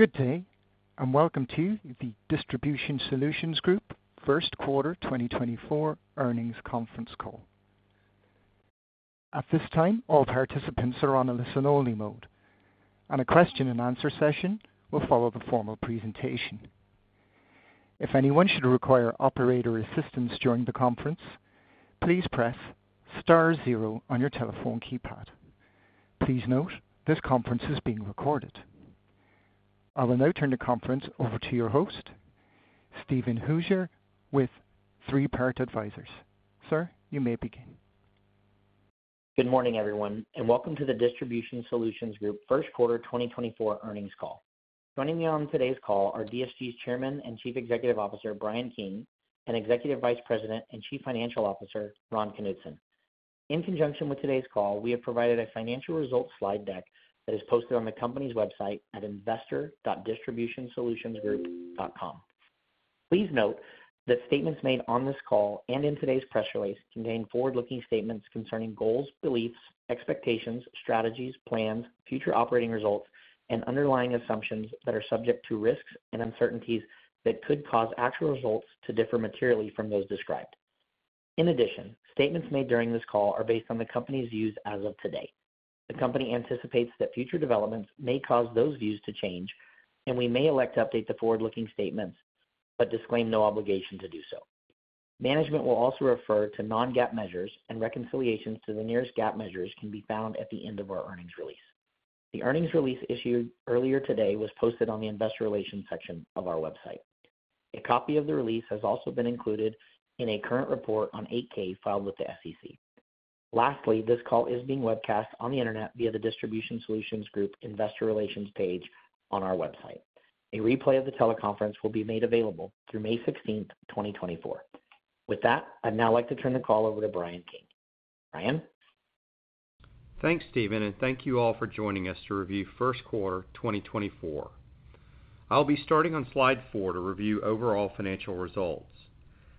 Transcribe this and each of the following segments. Good day and welcome to the Distribution Solutions Group First Quarter 2024 Earnings Conference Call. At this time, all participants are on a listen-only mode, and a question-and-answer session will follow the formal presentation. If anyone should require operator assistance during the conference, please press star zero on your telephone keypad. Please note, this conference is being recorded. I will now turn the conference over to your host, Steven Hooser, with Three Part Advisors. Sir, you may begin. Good morning, everyone, and welcome to the Distribution Solutions Group First Quarter 2024 Earnings Call. Joining me on today's call are DSG's Chairman and Chief Executive Officer Bryan King and Executive Vice President and Chief Financial Officer Ron Knutson. In conjunction with today's call, we have provided a financial results slide deck that is posted on the company's website at investor.distributionsolutionsgroup.com. Please note that statements made on this call and in today's press release contain forward-looking statements concerning goals, beliefs, expectations, strategies, plans, future operating results, and underlying assumptions that are subject to risks and uncertainties that could cause actual results to differ materially from those described. In addition, statements made during this call are based on the company's views as of today. The company anticipates that future developments may cause those views to change, and we may elect to update the forward-looking statements but disclaim no obligation to do so. Management will also refer to non-GAAP measures, and reconciliations to the nearest GAAP measures can be found at the end of our earnings release. The earnings release issued earlier today was posted on the investor relations section of our website. A copy of the release has also been included in a current report on 8-K filed with the SEC. Lastly, this call is being webcast on the internet via the Distribution Solutions Group Investor Relations page on our website. A replay of the teleconference will be made available through May 16th, 2024. With that, I'd now like to turn the call over to Bryan King. Bryan? Thanks, Steven, and thank you all for joining us to review First Quarter 2024. I'll be starting on slide four to review overall financial results.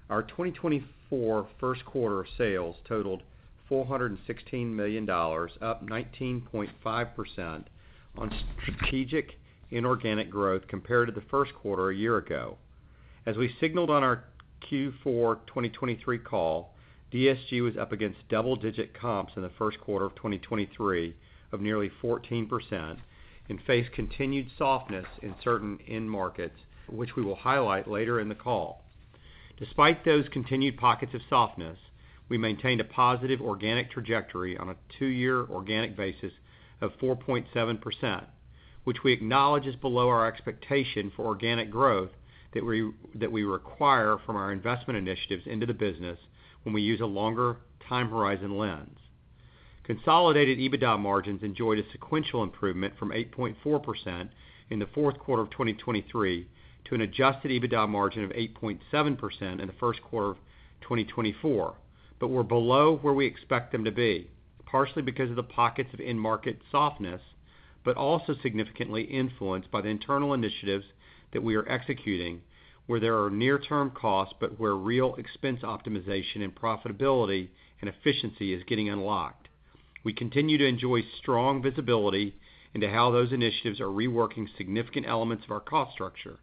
Our 2024 first quarter sales totaled $416 million, up 19.5% on strategic inorganic growth compared to the first quarter a year ago. As we signaled on our Q4 2023 call, DSG was up against double-digit comps in the first quarter of 2023 of nearly 14% and faced continued softness in certain end markets, which we will highlight later in the call. Despite those continued pockets of softness, we maintained a positive organic trajectory on a two-year organic basis of 4.7%, which we acknowledge is below our expectation for organic growth that we require from our investment initiatives into the business when we use a longer time horizon lens. Consolidated EBITDA margins enjoyed a sequential improvement from 8.4% in the fourth quarter of 2023 to an adjusted EBITDA margin of 8.7% in the first quarter of 2024, but were below where we expect them to be, partially because of the pockets of end-market softness but also significantly influenced by the internal initiatives that we are executing where there are near-term costs but where real expense optimization and profitability and efficiency is getting unlocked. We continue to enjoy strong visibility into how those initiatives are reworking significant elements of our cost structure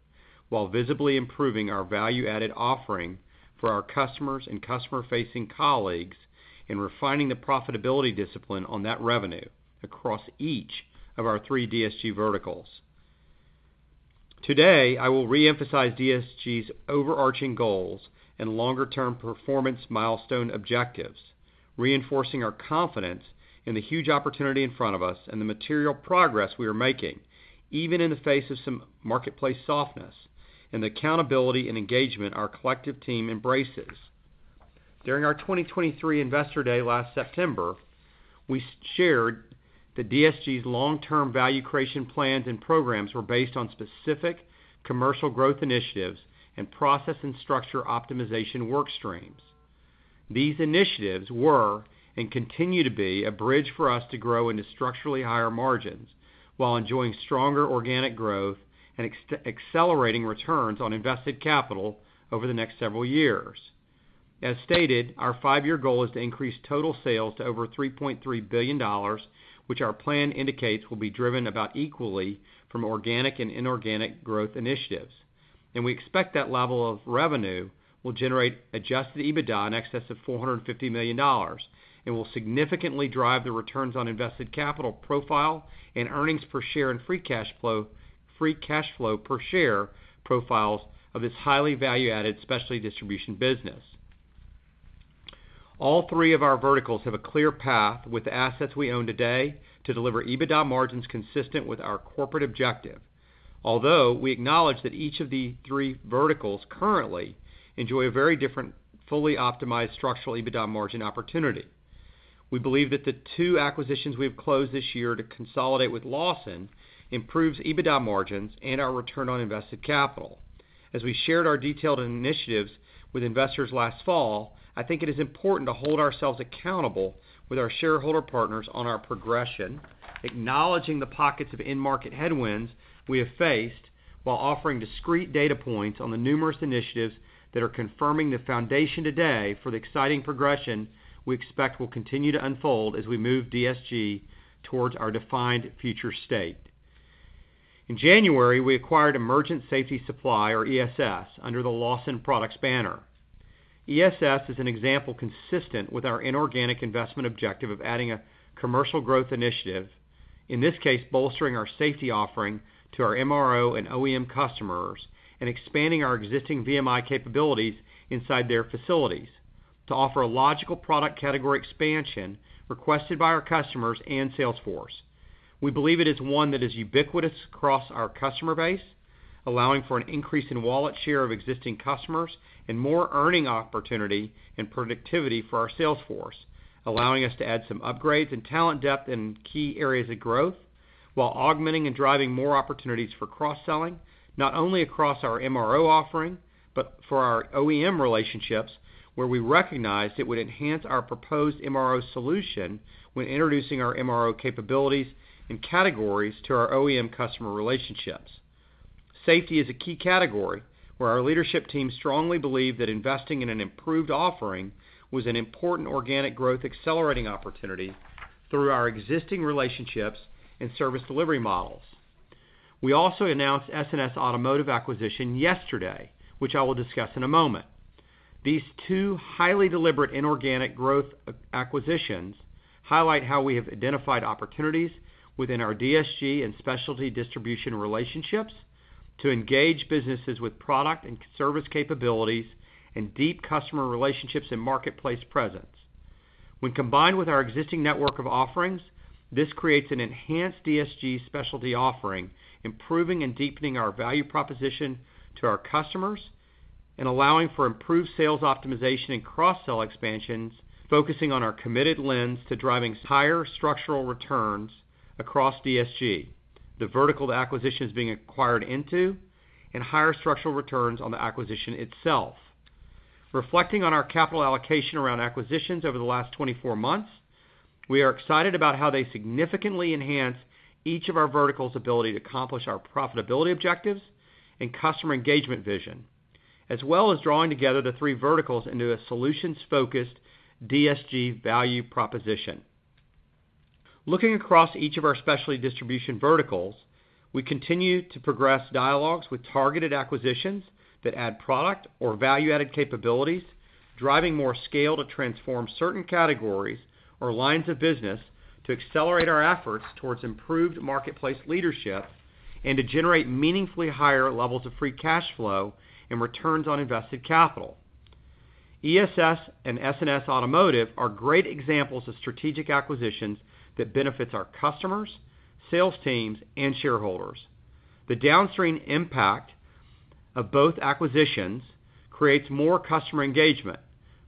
while visibly improving our value-added offering for our customers and customer-facing colleagues and refining the profitability discipline on that revenue across each of our three DSG verticals. Today, I will reemphasize DSG's overarching goals and longer-term performance milestone objectives, reinforcing our confidence in the huge opportunity in front of us and the material progress we are making, even in the face of some marketplace softness, and the accountability and engagement our collective team embraces. During our 2023 Investor Day last September, we shared that DSG's long-term value creation plans and programs were based on specific commercial growth initiatives and process and structure optimization workstreams. These initiatives were and continue to be a bridge for us to grow into structurally higher margins while enjoying stronger organic growth and accelerating returns on invested capital over the next several years. As stated, our five-year goal is to increase total sales to over $3.3 billion, which our plan indicates will be driven about equally from organic and inorganic growth initiatives. We expect that level of revenue will generate adjusted EBITDA in excess of $450 million and will significantly drive the returns on invested capital profile and earnings per share and free cash flow per share profiles of this highly value-added specialty distribution business. All three of our verticals have a clear path with the assets we own today to deliver EBITDA margins consistent with our corporate objective, although we acknowledge that each of the three verticals currently enjoy a very different fully optimized structural EBITDA margin opportunity. We believe that the two acquisitions we have closed this year to consolidate with Lawson improves EBITDA margins and our return on invested capital. As we shared our detailed initiatives with investors last fall, I think it is important to hold ourselves accountable with our shareholder partners on our progression, acknowledging the pockets of end-market headwinds we have faced while offering discrete data points on the numerous initiatives that are confirming the foundation today for the exciting progression we expect will continue to unfold as we move DSG towards our defined future state. In January, we acquired Emergent Safety Supply, or ESS, under the Lawson Products banner. ESS is an example consistent with our inorganic investment objective of adding a commercial growth initiative, in this case bolstering our safety offering to our MRO and OEM customers and expanding our existing VMI capabilities inside their facilities to offer a logical product category expansion requested by our customers and sales force. We believe it is one that is ubiquitous across our customer base, allowing for an increase in wallet share of existing customers and more earning opportunity and productivity for our sales force, allowing us to add some upgrades and talent depth in key areas of growth while augmenting and driving more opportunities for cross-selling, not only across our MRO offering but for our OEM relationships, where we recognized it would enhance our proposed MRO solution when introducing our MRO capabilities and categories to our OEM customer relationships. Safety is a key category where our leadership team strongly believed that investing in an improved offering was an important organic growth accelerating opportunity through our existing relationships and service delivery models. We also announced S&S Automotive acquisition yesterday, which I will discuss in a moment. These two highly deliberate inorganic growth acquisitions highlight how we have identified opportunities within our DSG and specialty distribution relationships to engage businesses with product and service capabilities and deep customer relationships and marketplace presence. When combined with our existing network of offerings, this creates an enhanced DSG specialty offering, improving and deepening our value proposition to our customers and allowing for improved sales optimization and cross-sell expansions, focusing on our committed lens to driving higher structural returns across DSG, the vertical the acquisition is being acquired into, and higher structural returns on the acquisition itself. Reflecting on our capital allocation around acquisitions over the last 24 months, we are excited about how they significantly enhance each of our verticals' ability to accomplish our profitability objectives and customer engagement vision, as well as drawing together the three verticals into a solutions-focused DSG value proposition. Looking across each of our specialty distribution verticals, we continue to progress dialogues with targeted acquisitions that add product or value-added capabilities, driving more scale to transform certain categories or lines of business to accelerate our efforts towards improved marketplace leadership and to generate meaningfully higher levels of free cash flow and returns on invested capital. ESS and S&S Automotive are great examples of strategic acquisitions that benefit our customers, sales teams, and shareholders. The downstream impact of both acquisitions creates more customer engagement,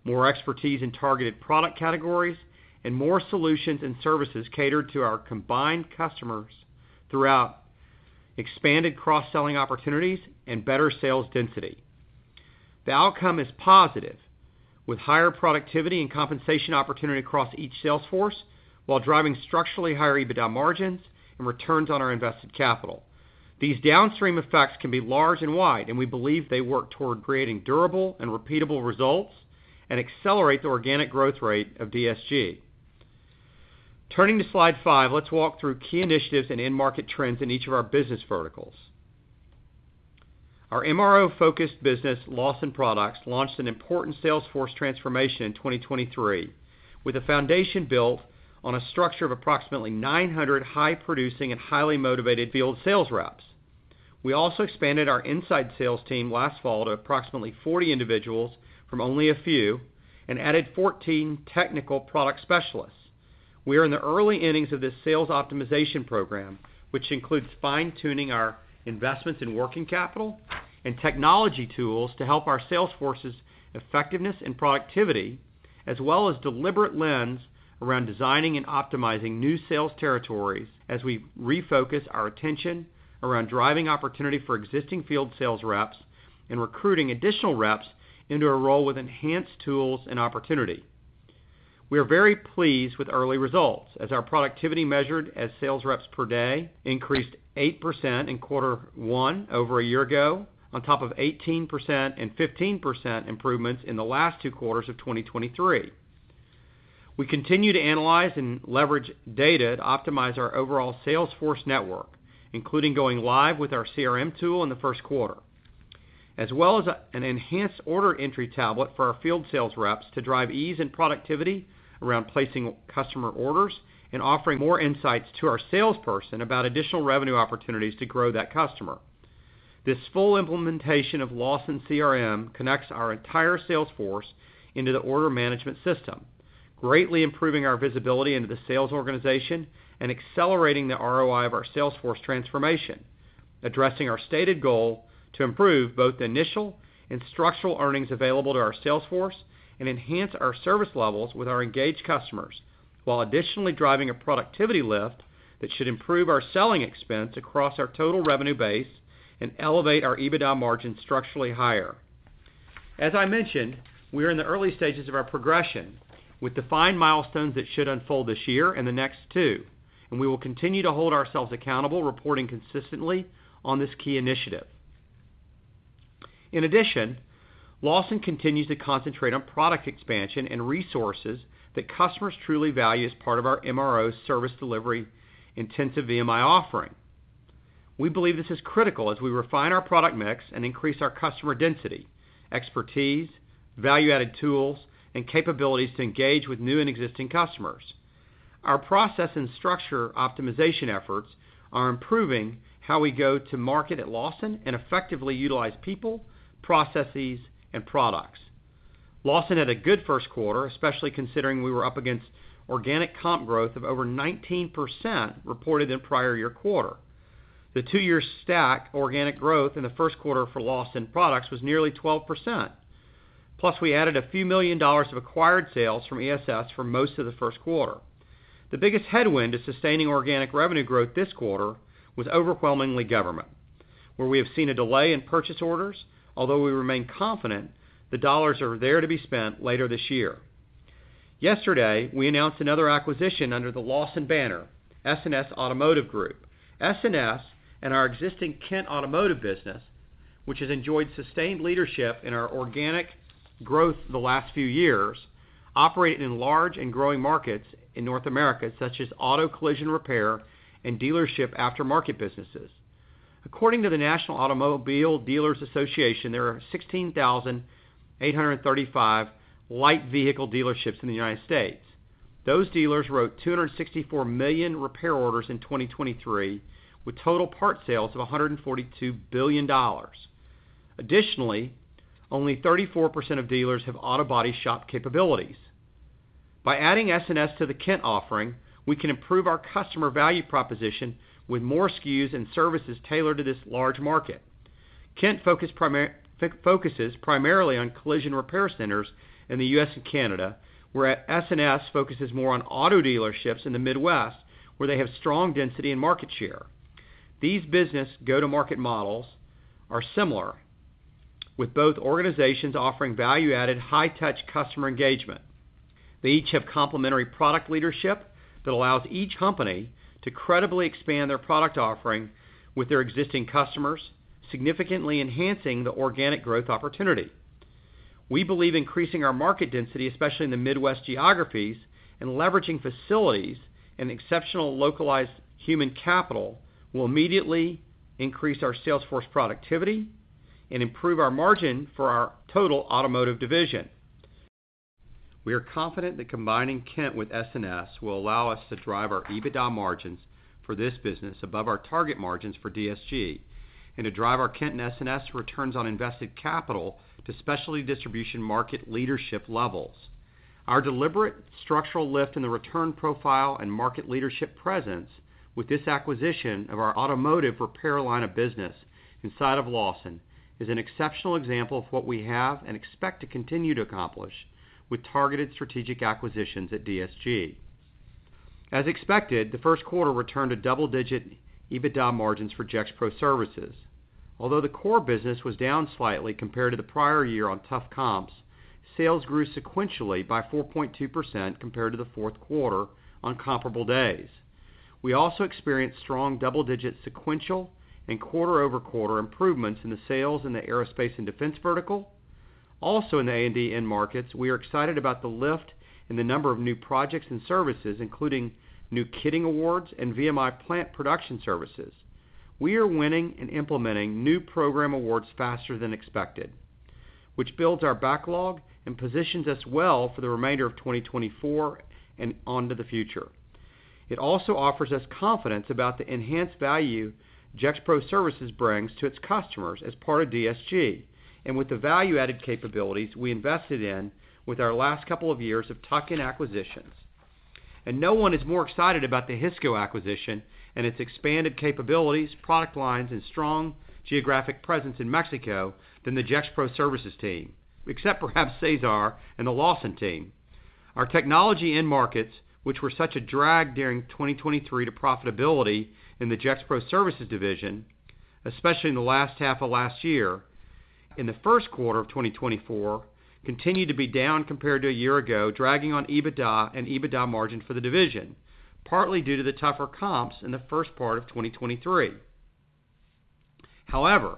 more expertise in targeted product categories, and more solutions and services catered to our combined customers throughout expanded cross-selling opportunities and better sales density. The outcome is positive, with higher productivity and compensation opportunity across each sales force while driving structurally higher EBITDA margins and returns on our invested capital. These downstream effects can be large and wide, and we believe they work toward creating durable and repeatable results and accelerate the organic growth rate of DSG. Turning to slide five, let's walk through key initiatives and end-market trends in each of our business verticals. Our MRO-focused business, Lawson Products, launched an important sales force transformation in 2023 with a foundation built on a structure of approximately 900 high-producing and highly motivated field sales reps. We also expanded our inside sales team last fall to approximately 40 individuals from only a few and added 14 technical product specialists. We are in the early innings of this sales optimization program, which includes fine-tuning our investments in working capital and technology tools to help our sales force's effectiveness and productivity, as well as deliberate lens around designing and optimizing new sales territories as we refocus our attention around driving opportunity for existing field sales reps and recruiting additional reps into a role with enhanced tools and opportunity. We are very pleased with early results as our productivity measured as sales reps per day increased 8% in quarter one over a year ago, on top of 18% and 15% improvements in the last two quarters of 2023. We continue to analyze and leverage data to optimize our overall sales force network, including going live with our CRM tool in the first quarter, as well as an enhanced order entry tablet for our field sales reps to drive ease and productivity around placing customer orders and offering more insights to our salesperson about additional revenue opportunities to grow that customer. This full implementation of Lawson CRM connects our entire sales force into the order management system, greatly improving our visibility into the sales organization and accelerating the ROI of our sales force transformation, addressing our stated goal to improve both the initial and structural earnings available to our sales force and enhance our service levels with our engaged customers while additionally driving a productivity lift that should improve our selling expense across our total revenue base and elevate our EBITDA margin structurally higher. As I mentioned, we are in the early stages of our progression with defined milestones that should unfold this year and the next two, and we will continue to hold ourselves accountable, reporting consistently on this key initiative. In addition, Lawson continues to concentrate on product expansion and resources that customers truly value as part of our MRO service delivery intensive VMI offering. We believe this is critical as we refine our product mix and increase our customer density, expertise, value-added tools, and capabilities to engage with new and existing customers. Our process and structure optimization efforts are improving how we go to market at Lawson and effectively utilize people, processes, and products. Lawson had a good first quarter, especially considering we were up against organic comp growth of over 19% reported in prior year quarter. The two-year stack organic growth in the first quarter for Lawson Products was nearly 12%, plus we added a few million dollars of acquired sales from ESS for most of the first quarter. The biggest headwind to sustaining organic revenue growth this quarter was overwhelmingly government, where we have seen a delay in purchase orders. Although we remain confident the dollars are there to be spent later this year. Yesterday, we announced another acquisition under the Lawson banner, S&S Automotive Group. S&S and our existing Kent Automotive business, which has enjoyed sustained leadership in our organic growth the last few years, operate in large and growing markets in North America such as auto collision repair and dealership aftermarket businesses. According to the National Automobile Dealers Association, there are 16,835 light vehicle dealerships in the United States. Those dealers wrote 264 million repair orders in 2023 with total part sales of $142 billion. Additionally, only 34% of dealers have auto body shop capabilities. By adding S&S to the Kent offering, we can improve our customer value proposition with more SKUs and services tailored to this large market. Kent focuses primarily on collision repair centers in the U.S. and Canada, whereas S&S focuses more on auto dealerships in the Midwest, where they have strong density and market share. These business go-to-market models are similar, with both organizations offering value-added high-touch customer engagement. They each have complementary product leadership that allows each company to credibly expand their product offering with their existing customers, significantly enhancing the organic growth opportunity. We believe increasing our market density, especially in the Midwest geographies, and leveraging facilities and exceptional localized human capital will immediately increase our sales force productivity and improve our margin for our total automotive division. We are confident that combining Kent with S&S will allow us to drive our EBITDA margins for this business above our target margins for DSG and to drive our Kent and S&S returns on invested capital to specialty distribution market leadership levels. Our deliberate structural lift in the return profile and market leadership presence with this acquisition of our automotive repair line of business inside of Lawson is an exceptional example of what we have and expect to continue to accomplish with targeted strategic acquisitions at DSG. As expected, the first quarter returned to double-digit EBITDA margins for Gexpro Services. Although the core business was down slightly compared to the prior year on tough comps, sales grew sequentially by 4.2% compared to the fourth quarter on comparable days. We also experienced strong double-digit sequential and quarter-over-quarter improvements in the sales in the aerospace and defense vertical. Also in the A&D end markets, we are excited about the lift in the number of new projects and services, including new kitting awards and VMI plant production services. We are winning and implementing new program awards faster than expected, which builds our backlog and positions us well for the remainder of 2024 and onto the future. It also offers us confidence about the enhanced value Gexpro Services brings to its customers as part of DSG. And with the value-added capabilities we invested in with our last couple of years of tuck-in acquisitions. No one is more excited about the Hisco acquisition and its expanded capabilities, product lines, and strong geographic presence in Mexico than the Gexpro Services team, except perhaps Cesar and the Lawson team. Our technology end markets, which were such a drag during 2023 to profitability in the Gexpro Services division, especially in the last half of last year, in the first quarter of 2024, continue to be down compared to a year ago, dragging on EBITDA and EBITDA margin for the division, partly due to the tougher comps in the first part of 2023. However,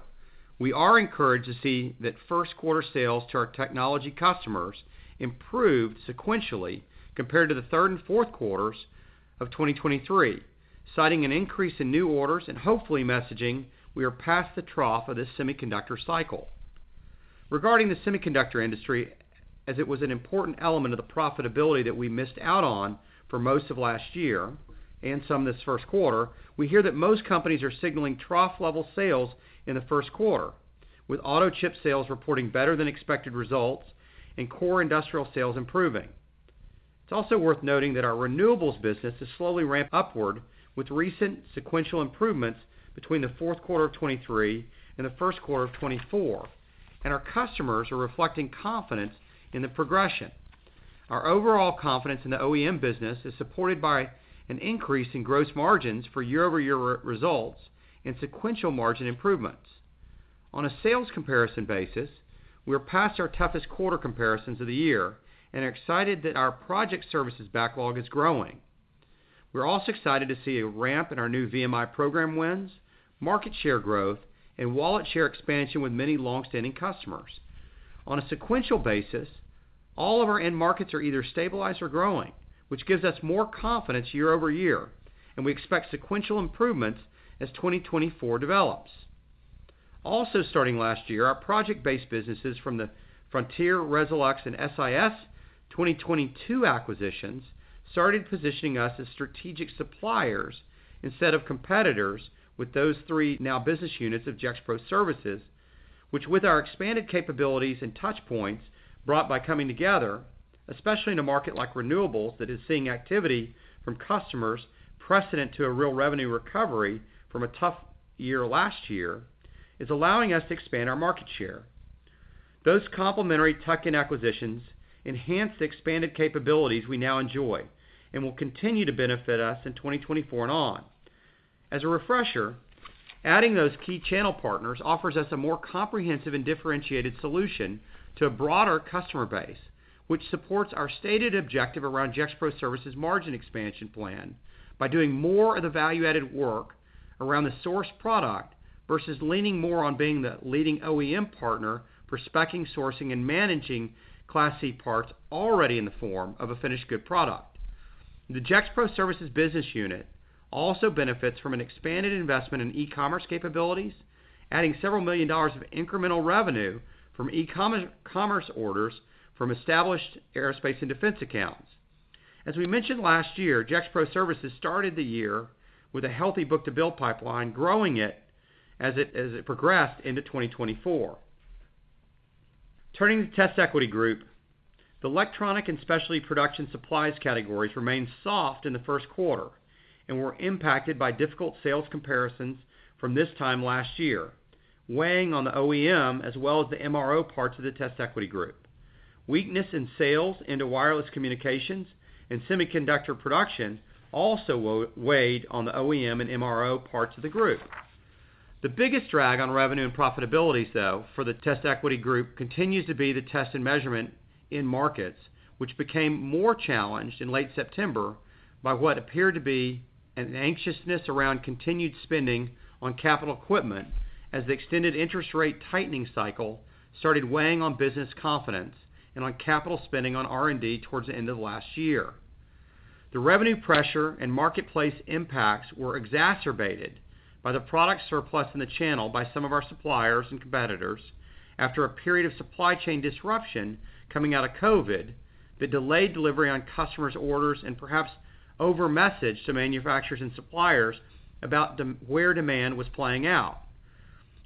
we are encouraged to see that first quarter sales to our technology customers improved sequentially compared to the third and fourth quarters of 2023, citing an increase in new orders and hopefully messaging we are past the trough of this semiconductor cycle. Regarding the semiconductor industry, as it was an important element of the profitability that we missed out on for most of last year and some this first quarter, we hear that most companies are signaling trough-level sales in the first quarter, with auto chip sales reporting better than expected results and core industrial sales improving. It's also worth noting that our renewables business has slowly ramped upward with recent sequential improvements between the fourth quarter of 2023 and the first quarter of 2024, and our customers are reflecting confidence in the progression. Our overall confidence in the OEM business is supported by an increase in gross margins for year-over-year results and sequential margin improvements. On a sales comparison basis, we are past our toughest quarter comparisons of the year and are excited that our project services backlog is growing. We're also excited to see a ramp in our new VMI program wins, market share growth, and wallet share expansion with many longstanding customers. On a sequential basis, all of our end markets are either stabilized or growing, which gives us more confidence year over year, and we expect sequential improvements as 2024 develops. Also starting last year, our project-based businesses from the Frontier, Resolux, and SIS 2022 acquisitions started positioning us as strategic suppliers instead of competitors with those three now business units of Gexpro Services, which with our expanded capabilities and touchpoints brought by coming together, especially in a market like renewables that is seeing activity from customers precedent to a real revenue recovery from a tough year last year, is allowing us to expand our market share. Those complementary tuck-in acquisitions enhance the expanded capabilities we now enjoy and will continue to benefit us in 2024 and on. As a refresher, adding those key channel partners offers us a more comprehensive and differentiated solution to a broader customer base, which supports our stated objective around Gexpro Services margin expansion plan by doing more of the value-added work around the source product versus leaning more on being the leading OEM partner prospecting, sourcing, and managing Class C parts already in the form of a finished good product. The Gexpro Services business unit also benefits from an expanded investment in e-commerce capabilities, adding several million dollars of incremental revenue from e-commerce orders from established aerospace and defense accounts. As we mentioned last year, Gexpro Services started the year with a healthy book-to-build pipeline, growing it as it progressed into 2024. Turning to TestEquity Group, the electronic and specialty production supplies categories remained soft in the first quarter and were impacted by difficult sales comparisons from this time last year, weighing on the OEM as well as the MRO parts of the TestEquity Group. Weakness in sales into wireless communications and semiconductor production also weighed on the OEM and MRO parts of the group. The biggest drag on revenue and profitabilities, though, for the TestEquity Group continues to be the test and measurement in markets, which became more challenged in late September by what appeared to be an anxiousness around continued spending on capital equipment as the extended interest rate tightening cycle started weighing on business confidence and on capital spending on R&D towards the end of last year. The revenue pressure and marketplace impacts were exacerbated by the product surplus in the channel by some of our suppliers and competitors after a period of supply chain disruption coming out of COVID that delayed delivery on customers' orders and perhaps overmessaged to manufacturers and suppliers about where demand was playing out.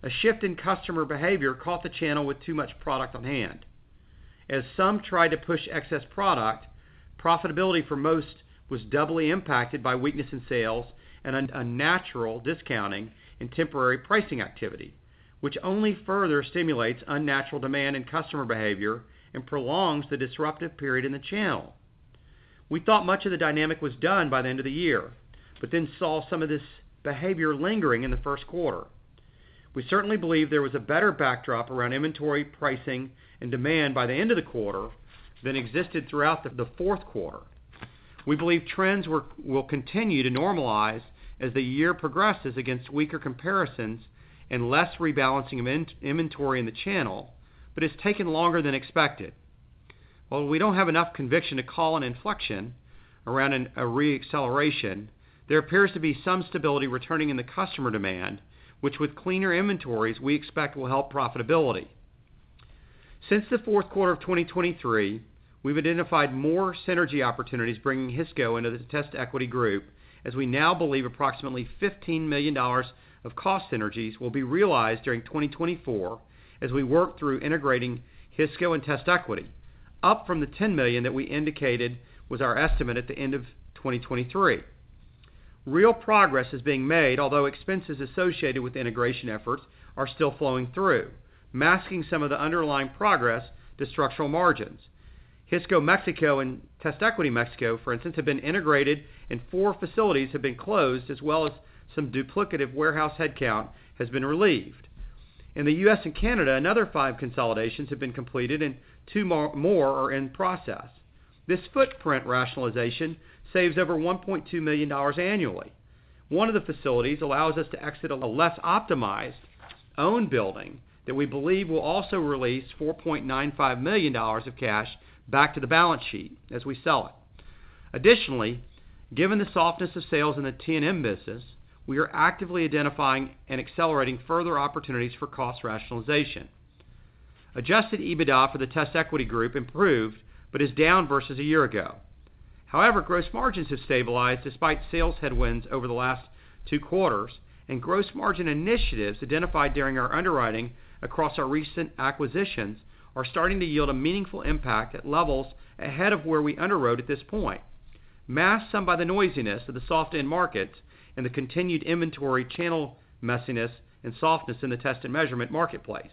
A shift in customer behavior caught the channel with too much product on hand. As some tried to push excess product, profitability for most was doubly impacted by weakness in sales and unnatural discounting and temporary pricing activity, which only further stimulates unnatural demand and customer behavior and prolongs the disruptive period in the channel. We thought much of the dynamic was done by the end of the year, but then saw some of this behavior lingering in the first quarter. We certainly believe there was a better backdrop around inventory, pricing, and demand by the end of the quarter than existed throughout the fourth quarter. We believe trends will continue to normalize as the year progresses against weaker comparisons and less rebalancing of inventory in the channel, but it's taken longer than expected. While we don't have enough conviction to call an inflection around a reacceleration, there appears to be some stability returning in the customer demand, which with cleaner inventories we expect will help profitability. Since the fourth quarter of 2023, we've identified more synergy opportunities bringing Hisco into the TestEquity Group, as we now believe approximately $15 million of cost synergies will be realized during 2024 as we work through integrating Hisco and TestEquity, up from the $10 million that we indicated was our estimate at the end of 2023. Real progress is being made, although expenses associated with integration efforts are still flowing through, masking some of the underlying progress to structural margins. Hisco Mexico and TestEquity Mexico, for instance, have been integrated and four facilities have been closed, as well as some duplicative warehouse headcount has been relieved. In the U.S. and Canada, another five consolidations have been completed and two more are in process. This footprint rationalization saves over $1.2 million annually. One of the facilities allows us to exit a less optimized own building that we believe will also release $4.95 million of cash back to the balance sheet as we sell it. Additionally, given the softness of sales in the T&M business, we are actively identifying and accelerating further opportunities for cost rationalization. Adjusted EBITDA for the TestEquity Group improved, but is down versus a year ago. However, gross margins have stabilized despite sales headwinds over the last two quarters, and gross margin initiatives identified during our underwriting across our recent acquisitions are starting to yield a meaningful impact at levels ahead of where we underwrote at this point, masked some by the noisiness of the soft end markets and the continued inventory channel messiness and softness in the test and measurement marketplace.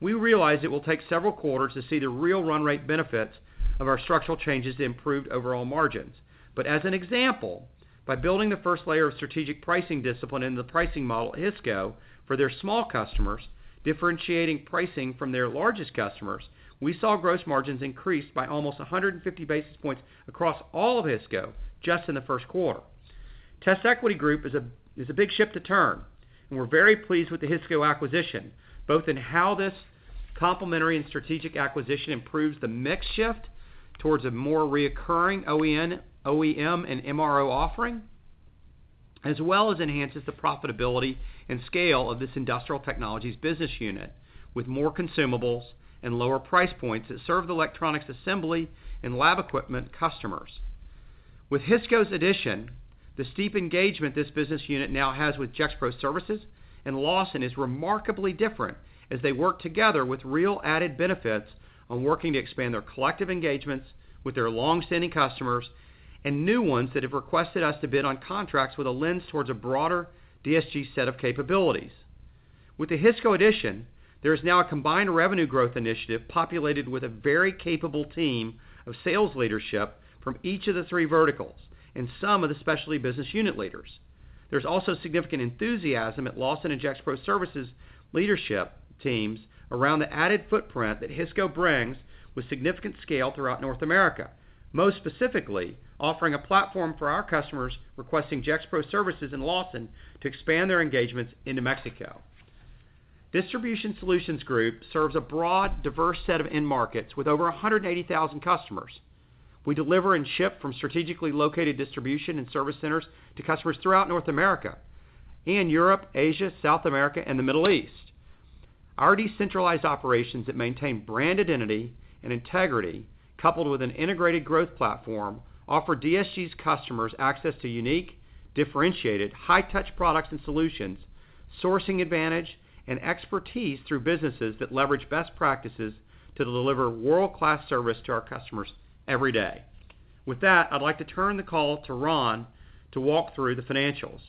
We realize it will take several quarters to see the real run rate benefits of our structural changes to improved overall margins. But as an example, by building the first layer of strategic pricing discipline in the pricing model Hisco for their small customers, differentiating pricing from their largest customers, we saw gross margins increase by almost 150 basis points across all of Hisco just in the first quarter. TestEquity Group is a big ship to turn, and we're very pleased with the Hisco acquisition, both in how this complementary and strategic acquisition improves the mix shift towards a more reoccurring OEM and MRO offering, as well as enhances the profitability and scale of this industrial technologies business unit with more consumables and lower price points that serve the electronics assembly and lab equipment customers. With Hisco's addition, the steep engagement this business unit now has with Gexpro Services and Lawson is remarkably different as they work together with real added benefits on working to expand their collective engagements with their longstanding customers and new ones that have requested us to bid on contracts with a lens towards a broader DSG set of capabilities. With the Hisco addition, there is now a combined revenue growth initiative populated with a very capable team of sales leadership from each of the three verticals and some of the specialty business unit leaders. There's also significant enthusiasm at Lawson and Gexpro Services leadership teams around the added footprint that Hisco brings with significant scale throughout North America, most specifically offering a platform for our customers requesting Gexpro Services and Lawson to expand their engagements into Mexico. Distribution Solutions Group serves a broad, diverse set of end markets with over 180,000 customers. We deliver and ship from strategically located distribution and service centers to customers throughout North America and Europe, Asia, South America, and the Middle East. Our decentralized operations that maintain brand identity and integrity, coupled with an integrated growth platform, offer DSG's customers access to unique, differentiated, high-touch products and solutions, sourcing advantage, and expertise through businesses that leverage best practices to deliver world-class service to our customers every day. With that, I'd like to turn the call to Ron to walk through the financials.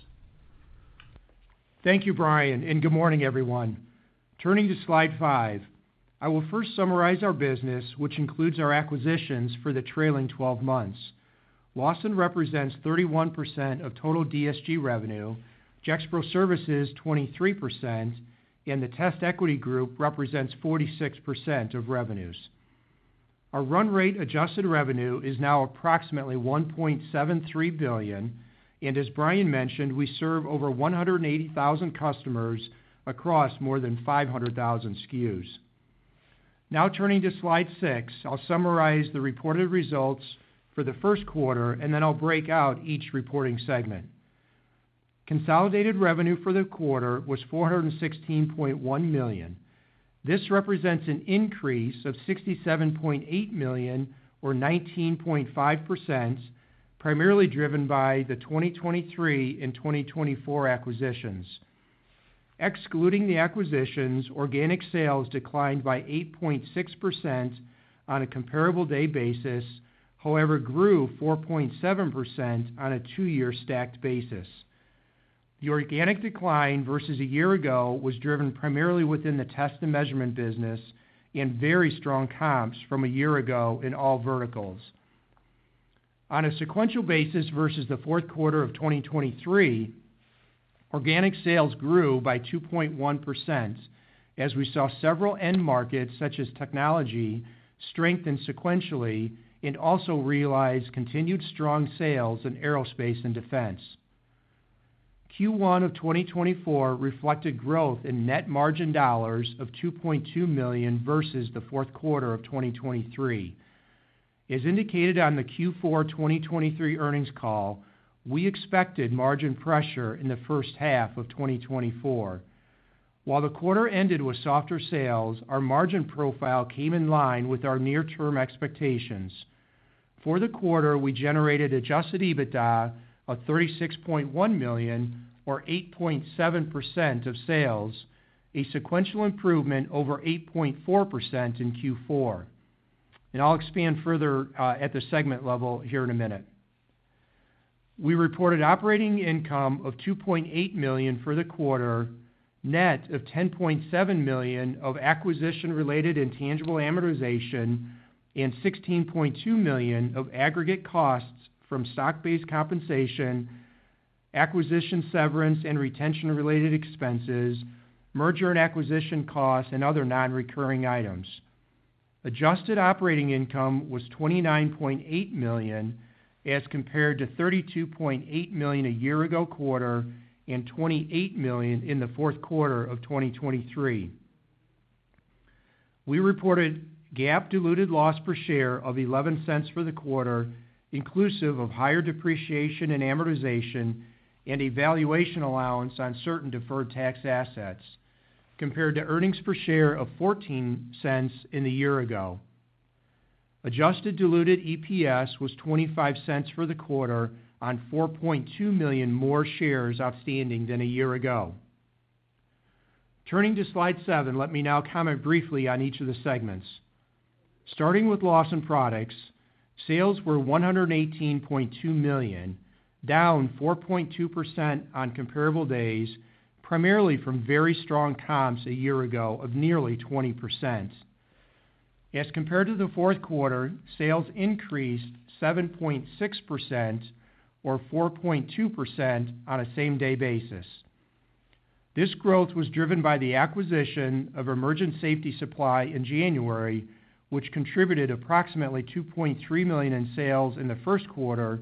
Thank you, Bryan, and good morning, everyone. Turning to slide five, I will first summarize our business, which includes our acquisitions for the trailing 12 months. Lawson represents 31% of total DSG revenue, Gexpro Services 23%, and the TestEquity Group represents 46% of revenues. Our run rate adjusted revenue is now approximately $1.73 billion, and as Bryan mentioned, we serve over 180,000 customers across more than 500,000 SKUs. Now turning to slide six, I'll summarize the reported results for the first quarter, and then I'll break out each reporting segment. Consolidated revenue for the quarter was $416.1 million. This represents an increase of $67.8 million or 19.5%, primarily driven by the 2023 and 2024 acquisitions. Excluding the acquisitions, organic sales declined by 8.6% on a comparable day basis, however, grew 4.7% on a two-year stacked basis. The organic decline versus a year ago was driven primarily within the test and measurement business and very strong comps from a year ago in all verticals. On a sequential basis versus the fourth quarter of 2023, organic sales grew by 2.1% as we saw several end markets such as technology strengthen sequentially and also realize continued strong sales in aerospace and defense. Q1 of 2024 reflected growth in net margin dollars of $2.2 million versus the fourth quarter of 2023. As indicated on the Q4 2023 earnings call, we expected margin pressure in the first half of 2024. While the quarter ended with softer sales, our margin profile came in line with our near-term expectations. For the quarter, we generated adjusted EBITDA of $36.1 million or 8.7% of sales, a sequential improvement over 8.4% in Q4. And I'll expand further at the segment level here in a minute. We reported operating income of $2.8 million for the quarter, net of $10.7 million of acquisition-related intangible amortization, and $16.2 million of aggregate costs from stock-based compensation, acquisition severance, and retention-related expenses, merger and acquisition costs, and other non-recurring items. Adjusted operating income was $29.8 million as compared to $32.8 million a year ago quarter and $28 million in the fourth quarter of 2023. We reported GAAP diluted loss per share of $0.11 for the quarter, inclusive of higher depreciation and amortization and valuation allowance on certain deferred tax assets compared to earnings per share of $0.14 in the year ago. Adjusted diluted EPS was $0.25 for the quarter on 4.2 million more shares outstanding than a year ago. Turning to slide seven, let me now comment briefly on each of the segments. Starting with Lawson Products, sales were $118.2 million, down 4.2% on comparable days, primarily from very strong comps a year ago of nearly 20%. As compared to the fourth quarter, sales increased 7.6% or 4.2% on a same-day basis. This growth was driven by the acquisition of Emergent Safety Supply in January, which contributed approximately $2.3 million in sales in the first quarter,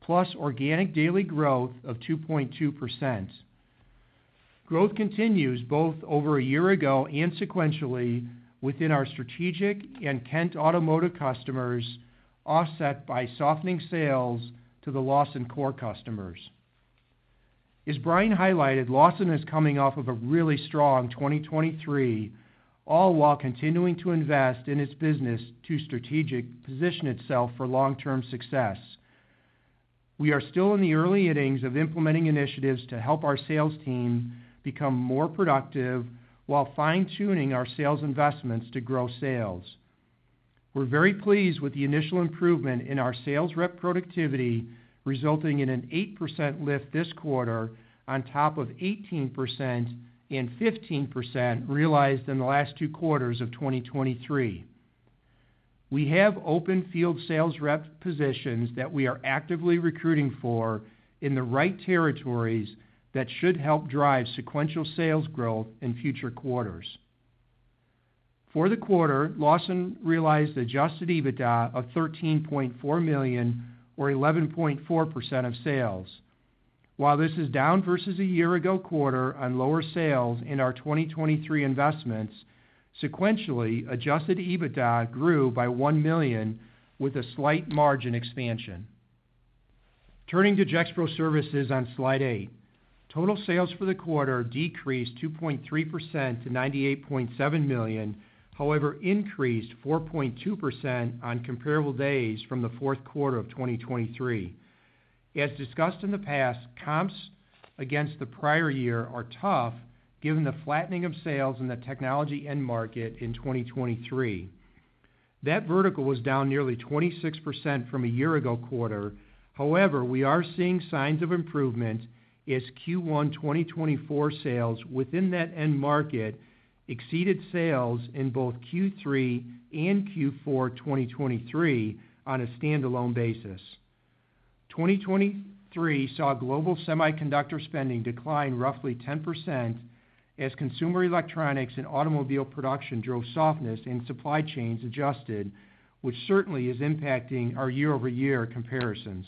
plus organic daily growth of 2.2%. Growth continues both over a year ago and sequentially within our strategic and Kent Automotive customers, offset by softening sales to the Lawson core customers. As Bryan highlighted, Lawson is coming off of a really strong 2023, all while continuing to invest in its business to strategic position itself for long-term success. We are still in the early innings of implementing initiatives to help our sales team become more productive while fine-tuning our sales investments to grow sales. We're very pleased with the initial improvement in our sales rep productivity, resulting in an 8% lift this quarter on top of 18% and 15% realized in the last two quarters of 2023. We have open field sales rep positions that we are actively recruiting for in the right territories that should help drive sequential sales growth in future quarters. For the quarter, Lawson realized adjusted EBITDA of $13.4 million or 11.4% of sales. While this is down versus a year ago quarter on lower sales in our 2023 investments, sequentially adjusted EBITDA grew by $1 million with a slight margin expansion. Turning to Gexpro Services on slide eight, total sales for the quarter decreased 2.3% to $98.7 million, however, increased 4.2% on comparable days from the fourth quarter of 2023. As discussed in the past, comps against the prior year are tough given the flattening of sales in the technology end market in 2023. That vertical was down nearly 26% from a year ago quarter. However, we are seeing signs of improvement as Q1 2024 sales within that end market exceeded sales in both Q3 and Q4 2023 on a standalone basis. 2023 saw global semiconductor spending decline roughly 10% as consumer electronics and automobile production drove softness and supply chains adjusted, which certainly is impacting our year-over-year comparisons.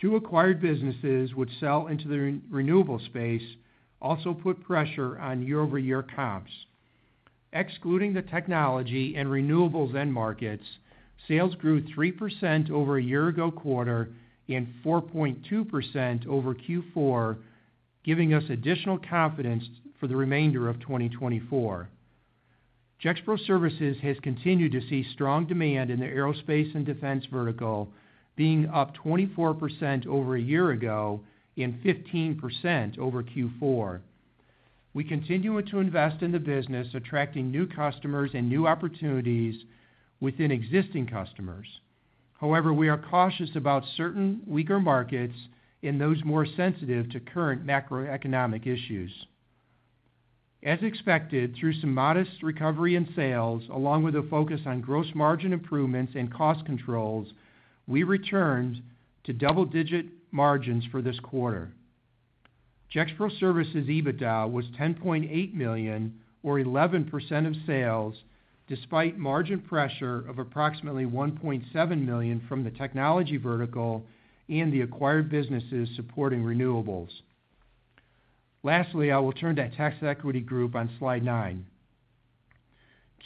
Two acquired businesses which sell into the renewable space also put pressure on year-over-year comps. Excluding the technology and renewables end markets, sales grew 3% over a year ago quarter and 4.2% over Q4, giving us additional confidence for the remainder of 2024. Gexpro Services has continued to see strong demand in the aerospace and defense vertical, being up 24% over a year ago and 15% over Q4. We continue to invest in the business, attracting new customers and new opportunities within existing customers. However, we are cautious about certain weaker markets and those more sensitive to current macroeconomic issues. As expected, through some modest recovery in sales, along with a focus on gross margin improvements and cost controls, we returned to double-digit margins for this quarter. Gexpro Services EBITDA was $10.8 million or 11% of sales, despite margin pressure of approximately $1.7 million from the technology vertical and the acquired businesses supporting renewables. Lastly, I will turn to TestEquity Group on slide nine.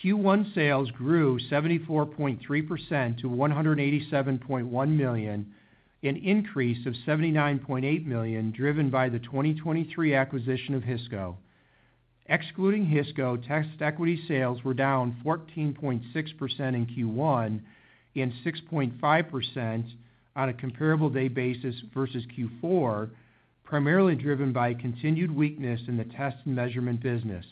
Q1 sales grew 74.3% to $187.1 million, an increase of $79.8 million driven by the 2023 acquisition of Hisco. Excluding Hisco, TestEquity sales were down 14.6% in Q1 and 6.5% on a comparable day basis versus Q4, primarily driven by continued weakness in the test and measurement business.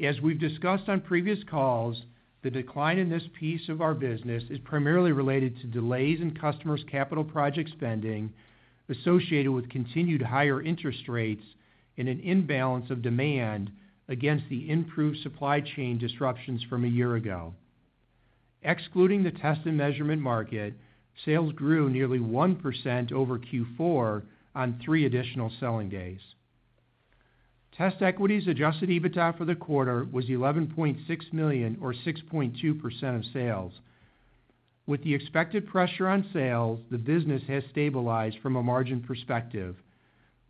As we've discussed on previous calls, the decline in this piece of our business is primarily related to delays in customers' capital project spending associated with continued higher interest rates and an imbalance of demand against the improved supply chain disruptions from a year ago. Excluding the test and measurement market, sales grew nearly 1% over Q4 on three additional selling days. TestEquity's Adjusted EBITDA for the quarter was $11.6 million or 6.2% of sales. With the expected pressure on sales, the business has stabilized from a margin perspective.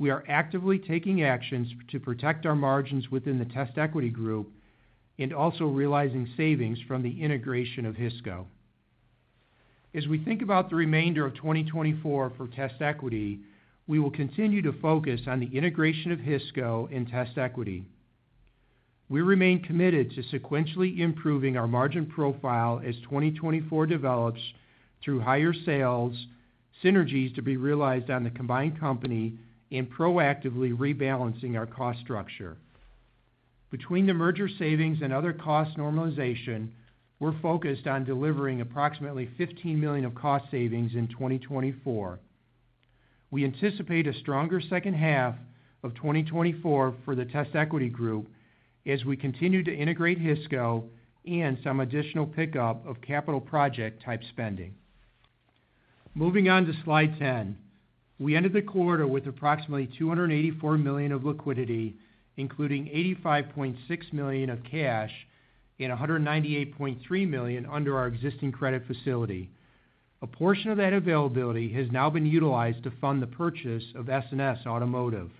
We are actively taking actions to protect our margins within the TestEquity Group and also realizing savings from the integration of Hisco. As we think about the remainder of 2024 for TestEquity, we will continue to focus on the integration of Hisco and TestEquity. We remain committed to sequentially improving our margin profile as 2024 develops through higher sales, synergies to be realized on the combined company, and proactively rebalancing our cost structure. Between the merger savings and other cost normalization, we're focused on delivering approximately $15 million of cost savings in 2024. We anticipate a stronger second half of 2024 for the TestEquity Group as we continue to integrate Hisco and some additional pickup of capital project-type spending. Moving on to slide 10, we ended the quarter with approximately $284 million of liquidity, including $85.6 million of cash and $198.3 million under our existing credit facility. A portion of that availability has now been utilized to fund the purchase of S&S Automotive.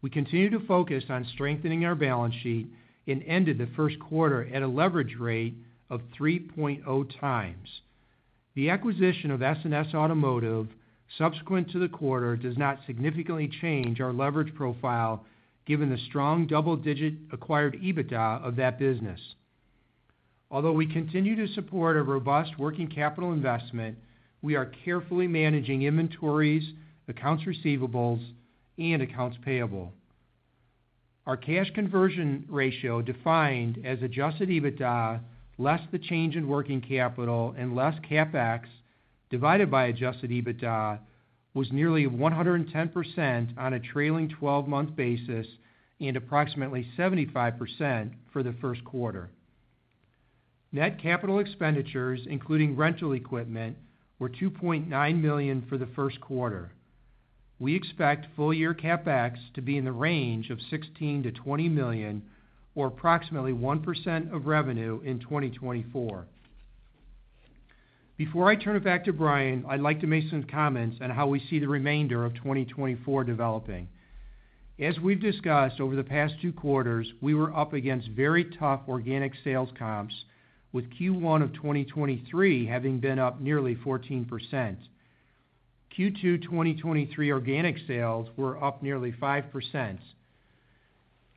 We continue to focus on strengthening our balance sheet and ended the first quarter at a leverage rate of 3.0 times. The acquisition of S&S Automotive subsequent to the quarter does not significantly change our leverage profile given the strong double-digit acquired EBITDA of that business. Although we continue to support a robust working capital investment, we are carefully managing inventories, accounts receivables, and accounts payable. Our cash conversion ratio defined as Adjusted EBITDA less the change in working capital and less CapEx divided by Adjusted EBITDA was nearly 110% on a trailing 12-month basis and approximately 75% for the first quarter. Net capital expenditures, including rental equipment, were $2.9 million for the first quarter. We expect full-year CapEx to be in the range of $16-$20 million or approximately 1% of revenue in 2024. Before I turn it back to Bryan, I'd like to make some comments on how we see the remainder of 2024 developing. As we've discussed over the past two quarters, we were up against very tough organic sales comps, with Q1 of 2023 having been up nearly 14%. Q2 2023 organic sales were up nearly 5%.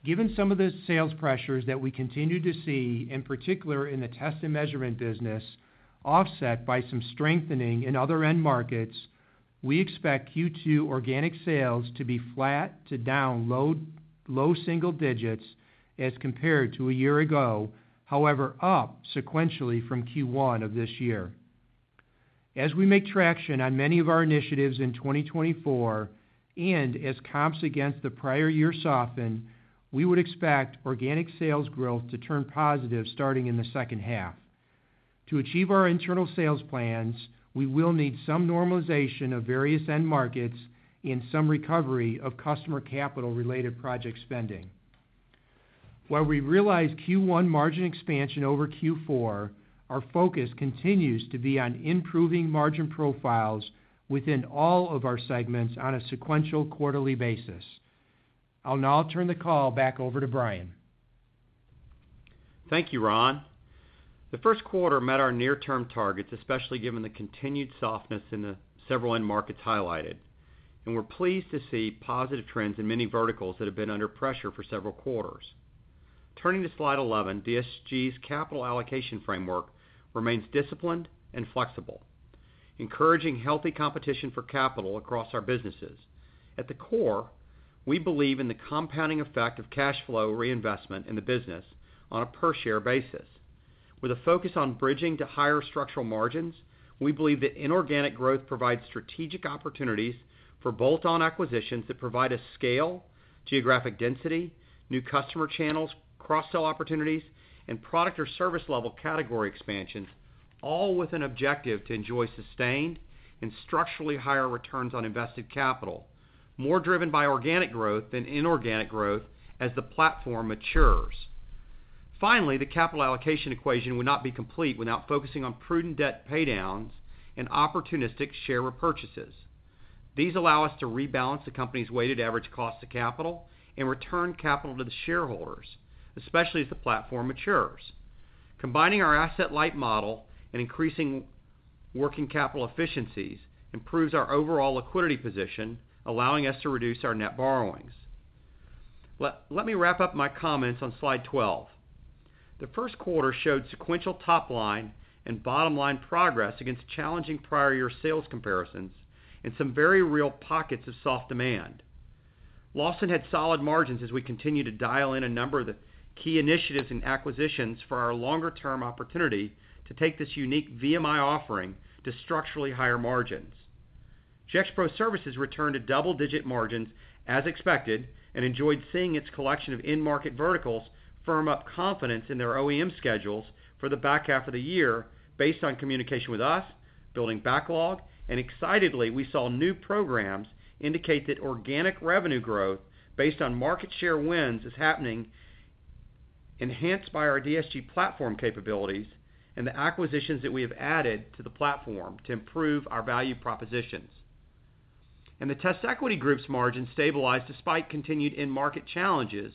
Given some of the sales pressures that we continue to see, in particular in the test and measurement business, offset by some strengthening in other end markets, we expect Q2 organic sales to be flat to down, low single digits as compared to a year ago, however, up sequentially from Q1 of this year. As we make traction on many of our initiatives in 2024 and as comps against the prior year soften, we would expect organic sales growth to turn positive starting in the second half. To achieve our internal sales plans, we will need some normalization of various end markets and some recovery of customer capital-related project spending. While we realize Q1 margin expansion over Q4, our focus continues to be on improving margin profiles within all of our segments on a sequential quarterly basis. I'll now turn the call back over to Bryan. Thank you, Ron. The first quarter met our near-term targets, especially given the continued softness in the several end markets highlighted, and we're pleased to see positive trends in many verticals that have been under pressure for several quarters. Turning to slide 11, DSG's capital allocation framework remains disciplined and flexible, encouraging healthy competition for capital across our businesses. At the core, we believe in the compounding effect of cash flow reinvestment in the business on a per-share basis. With a focus on bridging to higher structural margins, we believe that inorganic growth provides strategic opportunities for bolt-on acquisitions that provide a scale, geographic density, new customer channels, cross-sell opportunities, and product or service-level category expansions, all with an objective to enjoy sustained and structurally higher returns on invested capital, more driven by organic growth than inorganic growth as the platform matures. Finally, the capital allocation equation would not be complete without focusing on prudent debt paydowns and opportunistic share repurchases. These allow us to rebalance the company's weighted average cost of capital and return capital to the shareholders, especially as the platform matures. Combining our asset-light model and increasing working capital efficiencies improves our overall liquidity position, allowing us to reduce our net borrowings. Let me wrap up my comments on slide 12. The first quarter showed sequential top-line and bottom-line progress against challenging prior-year sales comparisons and some very real pockets of soft demand. Lawson had solid margins as we continue to dial in a number of the key initiatives and acquisitions for our longer-term opportunity to take this unique VMI offering to structurally higher margins. Gexpro Services returned to double-digit margins as expected and enjoyed seeing its collection of end-market verticals firm up confidence in their OEM schedules for the back half of the year based on communication with us, building backlog, and excitedly, we saw new programs indicate that organic revenue growth based on market share wins is happening, enhanced by our DSG platform capabilities and the acquisitions that we have added to the platform to improve our value propositions. The TestEquity Group's margins stabilized despite continued end-market challenges,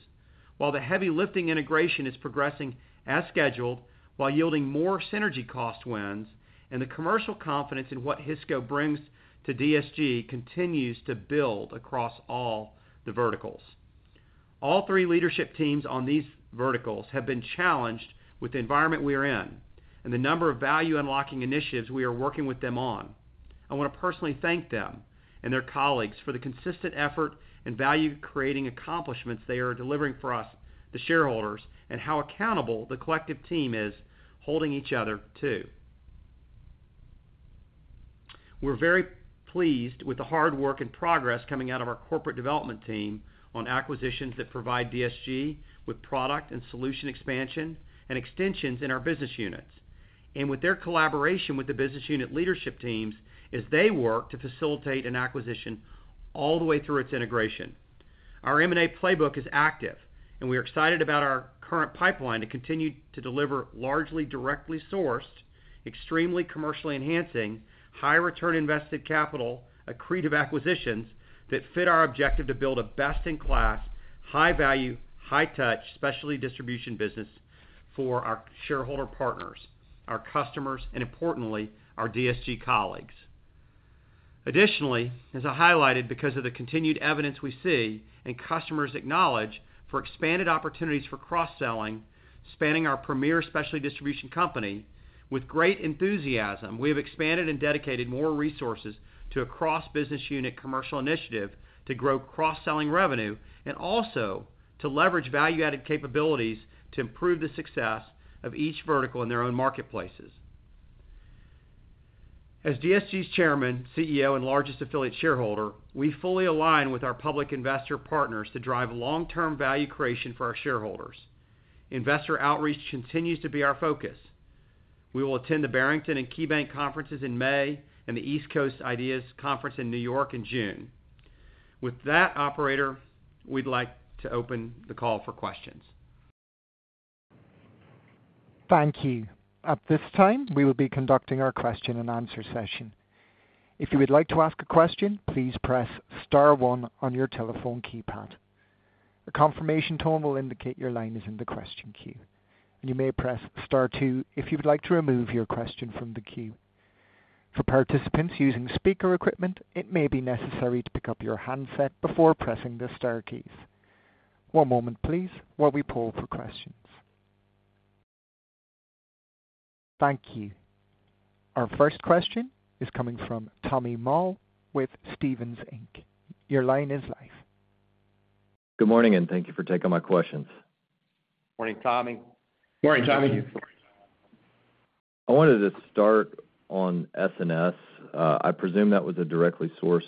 while the heavy lifting integration is progressing as scheduled, while yielding more synergy cost wins, and the commercial confidence in what Hisco brings to DSG continues to build across all the verticals. All three leadership teams on these verticals have been challenged with the environment we are in and the number of value unlocking initiatives we are working with them on. I want to personally thank them and their colleagues for the consistent effort and value-creating accomplishments they are delivering for us, the shareholders, and how accountable the collective team is holding each other to. We're very pleased with the hard work and progress coming out of our corporate development team on acquisitions that provide DSG with product and solution expansion and extensions in our business units, and with their collaboration with the business unit leadership teams as they work to facilitate an acquisition all the way through its integration. Our M&A playbook is active, and we are excited about our current pipeline to continue to deliver largely directly sourced, extremely commercially enhancing, high-return invested capital, accretive acquisitions that fit our objective to build a best-in-class, high-value, high-touch, specialty distribution business for our shareholder partners, our customers, and importantly, our DSG colleagues. Additionally, as I highlighted, because of the continued evidence we see and customers acknowledge for expanded opportunities for cross-selling, spanning our premier specialty distribution company, with great enthusiasm, we have expanded and dedicated more resources to a cross-business unit commercial initiative to grow cross-selling revenue and also to leverage value-added capabilities to improve the success of each vertical in their own marketplaces. As DSG's Chairman, CEO, and largest affiliate shareholder, we fully align with our public investor partners to drive long-term value creation for our shareholders. Investor outreach continues to be our focus. We will attend the Barrington and KeyBanc conferences in May and the East Coast IDEAS Conference in New York in June. With that, operator, we'd like to open the call for questions. Thank you. At this time, we will be conducting our question-and-answer session. If you would like to ask a question, please press star one on your telephone keypad. A confirmation tone will indicate your line is in the question queue, and you may press star two if you would like to remove your question from the queue. For participants using speaker equipment, it may be necessary to pick up your handset before pressing the star keys. One moment, please, while we poll for questions. Thank you. Our first question is coming from Tommy Moll with Stephens Inc. Your line is live. Good morning, and thank you for taking my questions. Morning, Tommy. Morning, Tommy. I wanted to start on S&S. I presume that was a directly sourced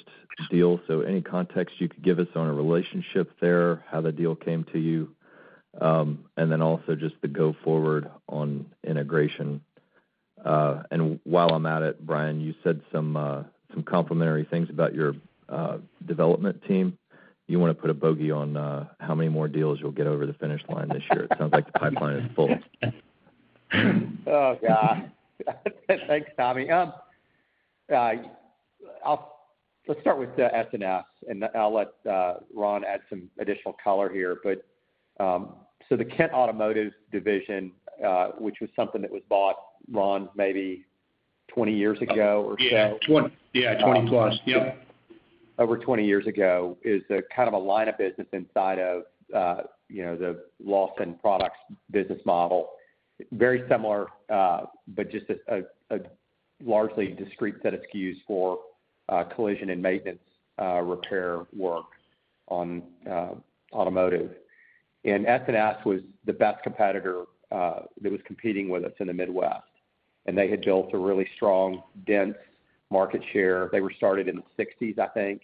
deal, so any context you could give us on a relationship there, how the deal came to you, and then also just the go-forward on integration. And while I'm at it, Bryan, you said some complimentary things about your development team. You want to put a bogey on how many more deals you'll get over the finish line this year. It sounds like the pipeline is full. Oh, God. Thanks, Tommy. Let's start with S&S, and I'll let Ron add some additional color here. So the Kent Automotive division, which was something that was bought, Ron, maybe 20 years ago or so? Yeah, 20+. Yep. Over 20 years ago is kind of a line of business inside of the Lawson Products business model, very similar but just a largely discrete set of SKUs for collision and maintenance repair work on automotive. S&S was the best competitor that was competing with us in the Midwest, and they had built a really strong, dense market share. They were started in the 1960s, I think,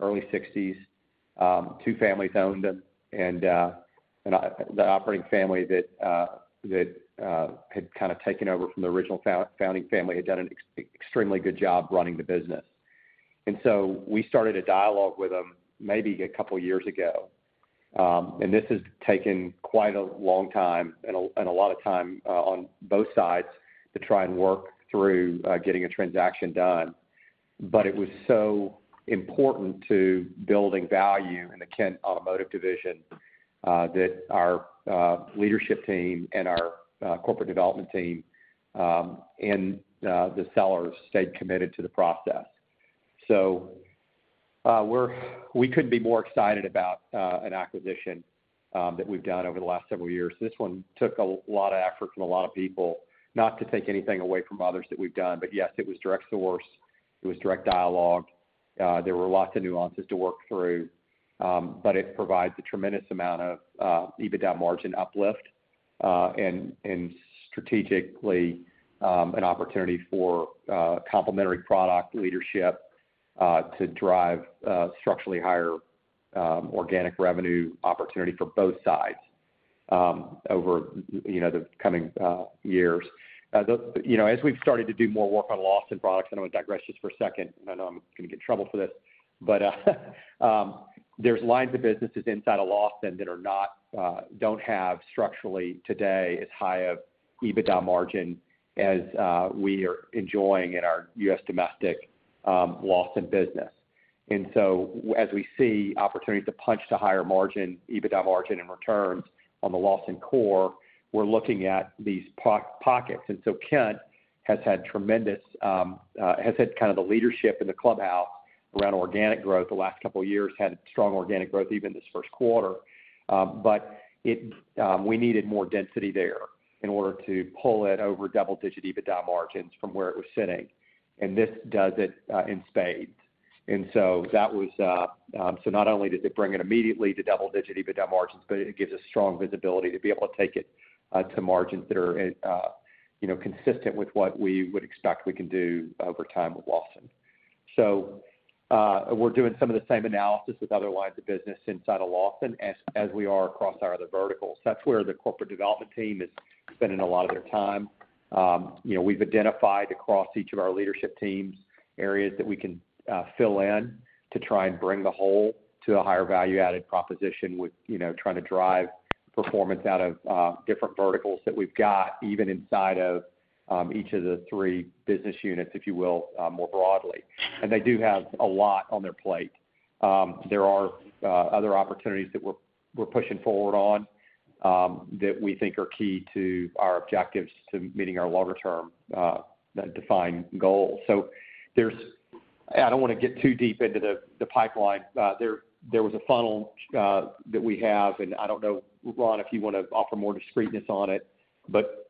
early 1960s. Two families owned them, and the operating family that had kind of taken over from the original founding family had done an extremely good job running the business. So we started a dialogue with them maybe a couple of years ago. This has taken quite a long time and a lot of time on both sides to try and work through getting a transaction done. But it was so important to building value in the Kent Automotive division that our leadership team and our corporate development team and the sellers stayed committed to the process. So we couldn't be more excited about an acquisition that we've done over the last several years. This one took a lot of effort from a lot of people, not to take anything away from others that we've done. But yes, it was direct source. It was direct dialogue. There were lots of nuances to work through, but it provides a tremendous amount of EBITDA margin uplift and strategically an opportunity for complementary product leadership to drive structurally higher organic revenue opportunity for both sides over the coming years. As we've started to do more work on Lawson Products (and I want to digress just for a second, and I know I'm going to get in trouble for this) but there's lines of businesses inside of Lawson that don't have structurally today as high of EBITDA margin as we are enjoying in our U.S. domestic Lawson business. And so as we see opportunities to punch to higher margin, EBITDA margin, and returns on the Lawson core, we're looking at these pockets. And so Kent has had tremendous kind of the leadership in the clubhouse around organic growth the last couple of years, had strong organic growth even this first quarter. But we needed more density there in order to pull it over double-digit EBITDA margins from where it was sitting. And this does it in spades. And so not only does it bring it immediately to double-digit EBITDA margins, but it gives us strong visibility to be able to take it to margins that are consistent with what we would expect we can do over time with Lawson. So we're doing some of the same analysis with other lines of business inside of Lawson as we are across our other verticals. That's where the corporate development team is spending a lot of their time. We've identified across each of our leadership teams areas that we can fill in to try and bring the whole to a higher value-added proposition with trying to drive performance out of different verticals that we've got even inside of each of the three business units, if you will, more broadly. And they do have a lot on their plate. There are other opportunities that we're pushing forward on that we think are key to our objectives to meeting our longer-term defined goals. So I don't want to get too deep into the pipeline. There was a funnel that we have, and I don't know, Ron, if you want to offer more discreteness on it. But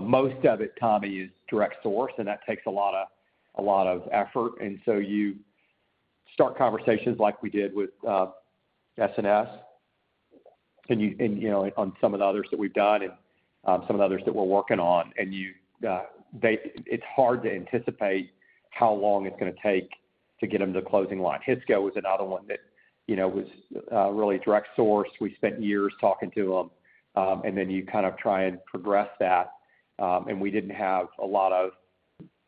most of it, Tommy, is direct source, and that takes a lot of effort. And so you start conversations like we did with S&S and on some of the others that we've done and some of the others that we're working on, and it's hard to anticipate how long it's going to take to get them to the closing line. Hisco was another one that was really direct source. We spent years talking to them, and then you kind of try and progress that. We didn't have a lot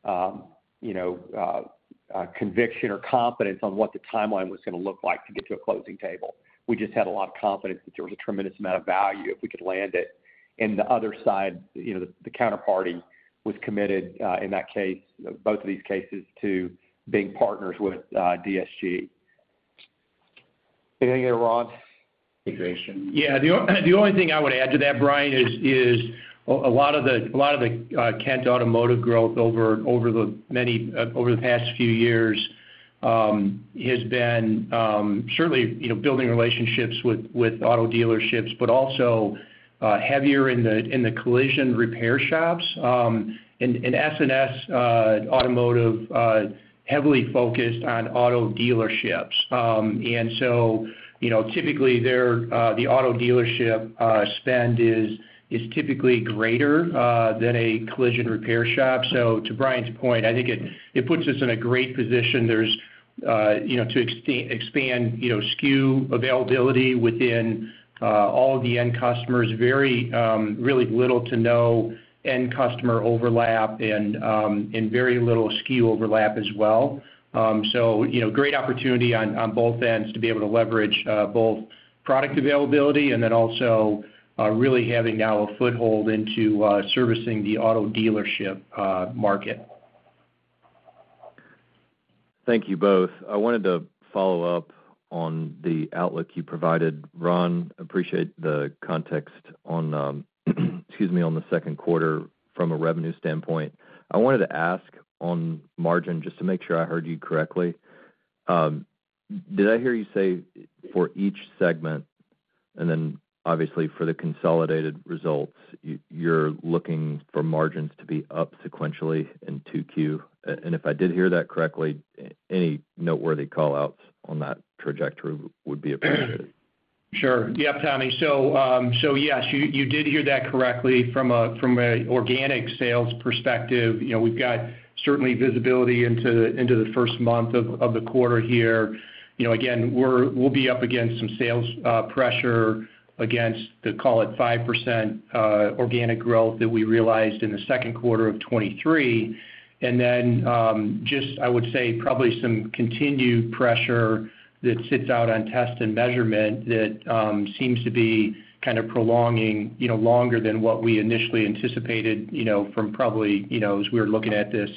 of conviction or confidence on what the timeline was going to look like to get to a closing table. We just had a lot of confidence that there was a tremendous amount of value if we could land it. The other side, the counterparty, was committed in that case, both of these cases, to being partners with DSG. Anything there, Ron? Integration. Yeah. The only thing I would add to that, Bryan, is a lot of the Kent Automotive growth over the past few years has been certainly building relationships with auto dealerships but also heavier in the collision repair shops. And S&S Automotive heavily focused on auto dealerships. And so typically, the auto dealership spend is typically greater than a collision repair shop. So to Bryan's point, I think it puts us in a great position to expand SKU availability within all of the end customers, really little to no end customer overlap and very little SKU overlap as well. So great opportunity on both ends to be able to leverage both product availability and then also really having now a foothold into servicing the auto dealership market. Thank you both. I wanted to follow up on the outlook you provided. Ron, appreciate the context on - excuse me - on the second quarter from a revenue standpoint. I wanted to ask on margin, just to make sure I heard you correctly, did I hear you say for each segment and then, obviously, for the consolidated results, you're looking for margins to be up sequentially in Q2? And if I did hear that correctly, any noteworthy callouts on that trajectory would be appreciated. Sure. Yep, Tommy. So yes, you did hear that correctly. From an organic sales perspective, we've got certainly visibility into the first month of the quarter here. Again, we'll be up against some sales pressure against, call it, 5% organic growth that we realized in the second quarter of 2023. And then just, I would say, probably some continued pressure that sits out on test and measurement that seems to be kind of prolonging longer than what we initially anticipated from probably as we were looking at this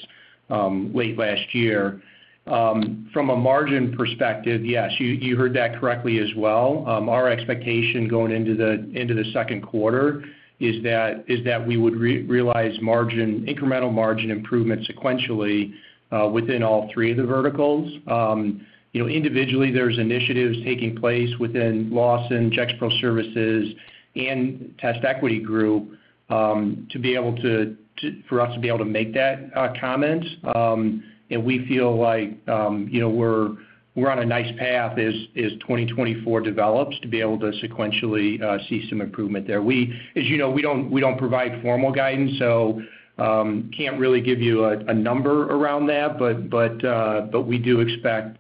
late last year. From a margin perspective, yes, you heard that correctly as well. Our expectation going into the second quarter is that we would realize incremental margin improvements sequentially within all three of the verticals. Individually, there's initiatives taking place within Lawson, Gexpro Services, and TestEquity Group for us to be able to make that comment. We feel like we're on a nice path as 2024 develops to be able to sequentially see some improvement there. As you know, we don't provide formal guidance, so can't really give you a number around that. We do expect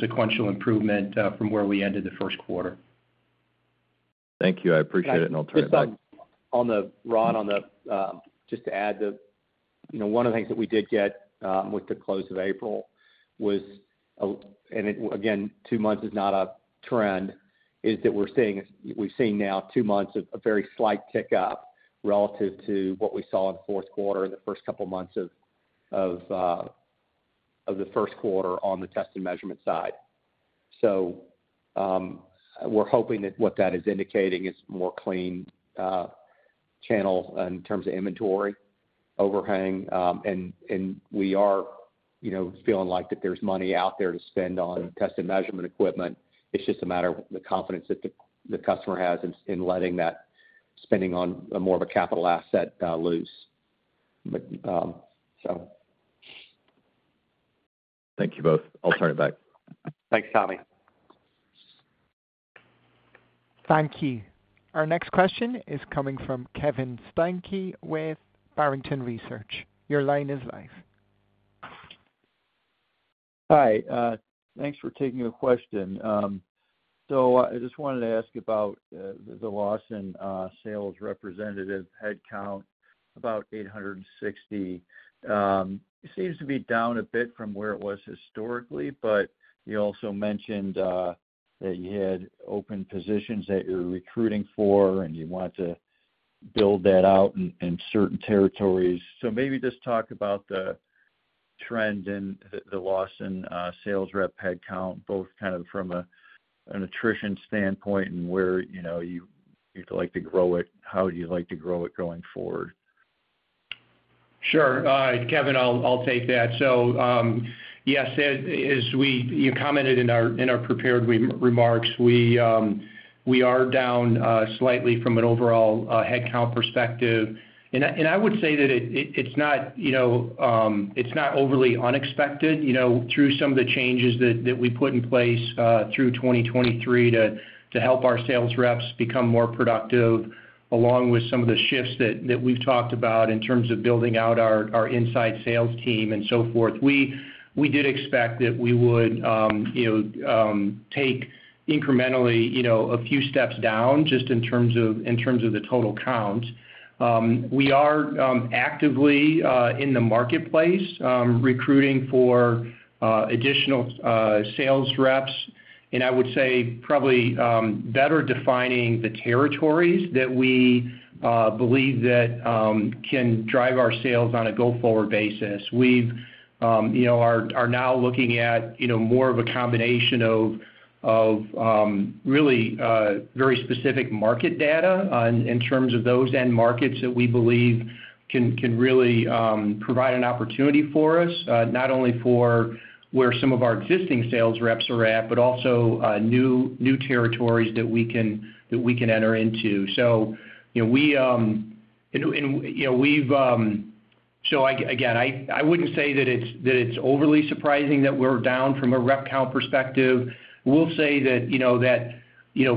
sequential improvement from where we ended the first quarter. Thank you. I appreciate it, and I'll turn it back. Just on the Ron, just to add, one of the things that we did get with the close of April was, and again, two months is not a trend, is that we've seen now two months of a very slight tick-up relative to what we saw in the fourth quarter and the first couple of months of the first quarter on the test and measurement side. So we're hoping that what that is indicating is more clean channels in terms of inventory overhang. And we are feeling like that there's money out there to spend on test and measurement equipment. It's just a matter of the confidence that the customer has in letting that spending on more of a capital asset loose, so. Thank you both. I'll turn it back. Thanks, Tommy. Thank you. Our next question is coming from Kevin Steinke with Barrington Research. Your line is live. Hi. Thanks for taking the question. So I just wanted to ask about the Lawson sales representative headcount, about 860. It seems to be down a bit from where it was historically, but you also mentioned that you had open positions that you're recruiting for and you want to build that out in certain territories. So maybe just talk about the trend in the Lawson sales rep headcount, both kind of from an attrition standpoint and where you'd like to grow it. How do you like to grow it going forward? Sure. Kevin, I'll take that. Yes, as you commented in our prepared remarks, we are down slightly from an overall headcount perspective. I would say that it's not overly unexpected through some of the changes that we put in place through 2023 to help our sales reps become more productive, along with some of the shifts that we've talked about in terms of building out our inside sales team and so forth. We did expect that we would take incrementally a few steps down just in terms of the total count. We are actively in the marketplace recruiting for additional sales reps and I would say probably better defining the territories that we believe that can drive our sales on a go-forward basis. We are now looking at more of a combination of really very specific market data in terms of those end markets that we believe can really provide an opportunity for us, not only for where some of our existing sales reps are at but also new territories that we can enter into. So we've so again, I wouldn't say that it's overly surprising that we're down from a rep count perspective. We'll say that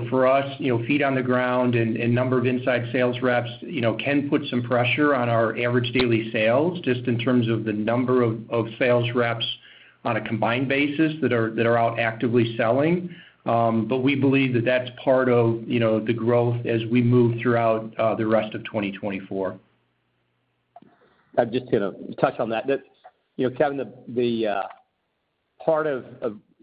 for us, feet on the ground and number of inside sales reps can put some pressure on our average daily sales just in terms of the number of sales reps on a combined basis that are out actively selling. But we believe that that's part of the growth as we move throughout the rest of 2024. I just want to touch on that. Kevin, part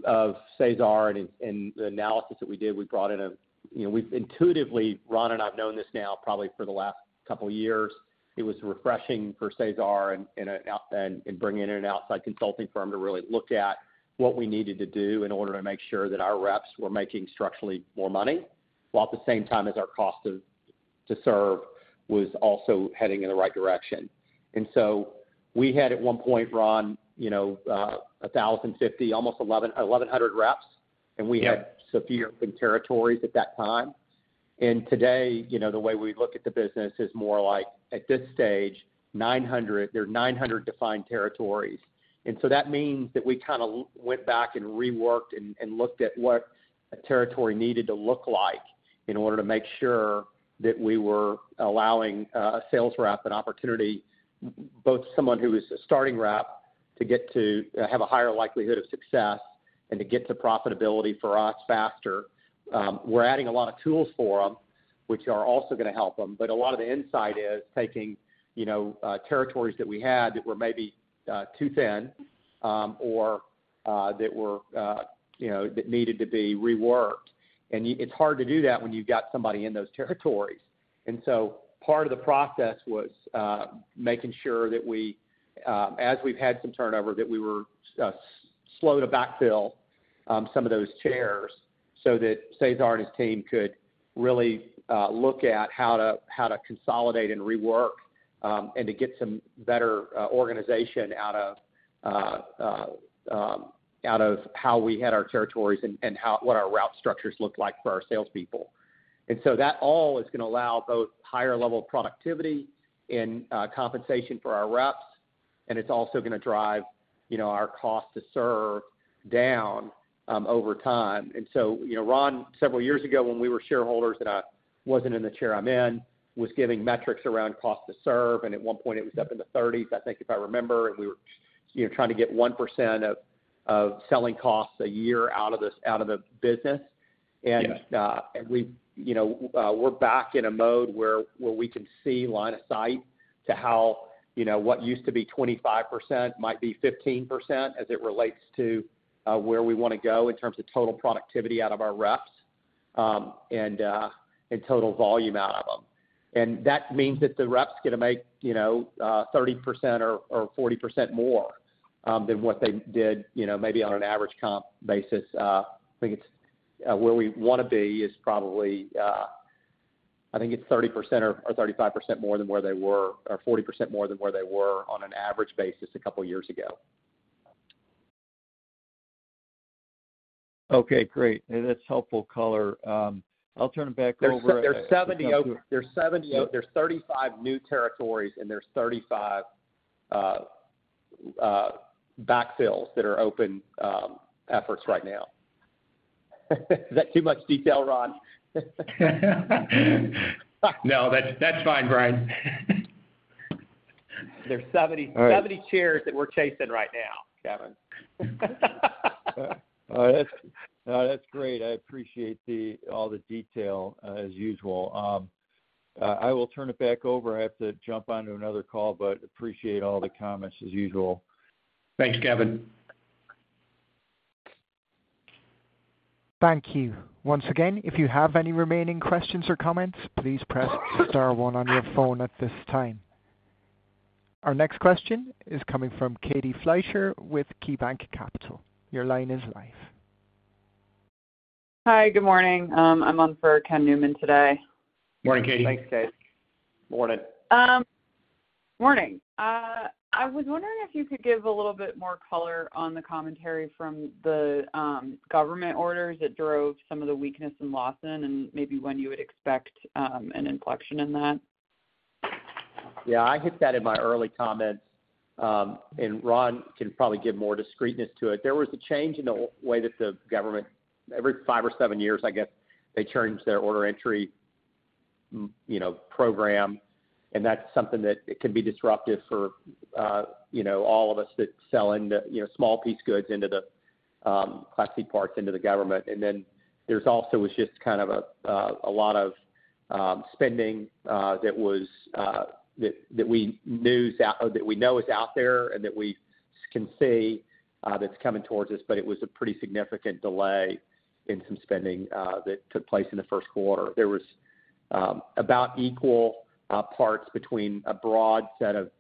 of Cesar and the analysis that we did, we brought in and we've intuitively—Ron and I've known this now probably for the last couple of years. It was refreshing for Cesar, bringing in an outside consulting firm to really look at what we needed to do in order to make sure that our reps were making structurally more money while at the same time as our cost to serve was also heading in the right direction. And so we had at one point, Ron, 1,050, almost 1,100 reps, and we had so few open territories at that time. And today, the way we look at the business is more like, at this stage, 900. There are 900 defined territories. And so that means that we kind of went back and reworked and looked at what a territory needed to look like in order to make sure that we were allowing a sales rep an opportunity, both someone who is a starting rep, to have a higher likelihood of success and to get to profitability for us faster. We're adding a lot of tools for them, which are also going to help them. But a lot of the insight is taking territories that we had that were maybe too thin or that needed to be reworked. And it's hard to do that when you've got somebody in those territories. And so part of the process was making sure that as we've had some turnover, that we were slow to backfill some of those chairs so that Cesar and his team could really look at how to consolidate and rework and to get some better organization out of how we had our territories and what our route structures looked like for our salespeople. And so that all is going to allow both higher-level productivity and compensation for our reps, and it's also going to drive our cost to serve down over time. And so Ron, several years ago, when we were shareholders and I wasn't in the chair I'm in, was giving metrics around cost to serve. And at one point, it was up in the 30s, I think, if I remember. And we were trying to get 1% of selling costs a year out of the business. We're back in a mode where we can see line of sight to what used to be 25% might be 15% as it relates to where we want to go in terms of total productivity out of our reps and total volume out of them. That means that the reps get to make 30% or 40% more than what they did maybe on an average comp basis. I think where we want to be is probably I think it's 30% or 35% more than where they were or 40% more than where they were on an average basis a couple of years ago. Okay. Great. That's helpful color. I'll turn it back over. There's 70, there's 35 new territories, and there's 35 backfills that are open efforts right now. Is that too much detail, Ron? No, that's fine, Bryan. There's 70 chairs that we're chasing right now, Kevin. All right. No, that's great. I appreciate all the detail as usual. I will turn it back over. I have to jump onto another call, but appreciate all the comments as usual. Thanks, Kevin. Thank you. Once again, if you have any remaining questions or comments, please press star one on your phone at this time. Our next question is coming from Katie Fleischer with KeyBanc Capital Markets. Your line is live. Hi. Good morning. I'm on for Ken Newman today. Morning, Katie. Thanks, Kate. Morning. Morning. I was wondering if you could give a little bit more color on the commentary from the government orders that drove some of the weakness in Lawson and maybe when you would expect an inflection in that? Yeah. I hit that in my early comments. And Ron can probably give more discreteness to it. There was a change in the way that the government every five or seven years, I guess, they change their order entry program. And that's something that can be disruptive for all of us that sell small piece goods into the Class C parts into the government. And then there also was just kind of a lot of spending that we knew that we know is out there and that we can see that's coming towards us, but it was a pretty significant delay in some spending that took place in the first quarter. There was about equal parts between a broad set of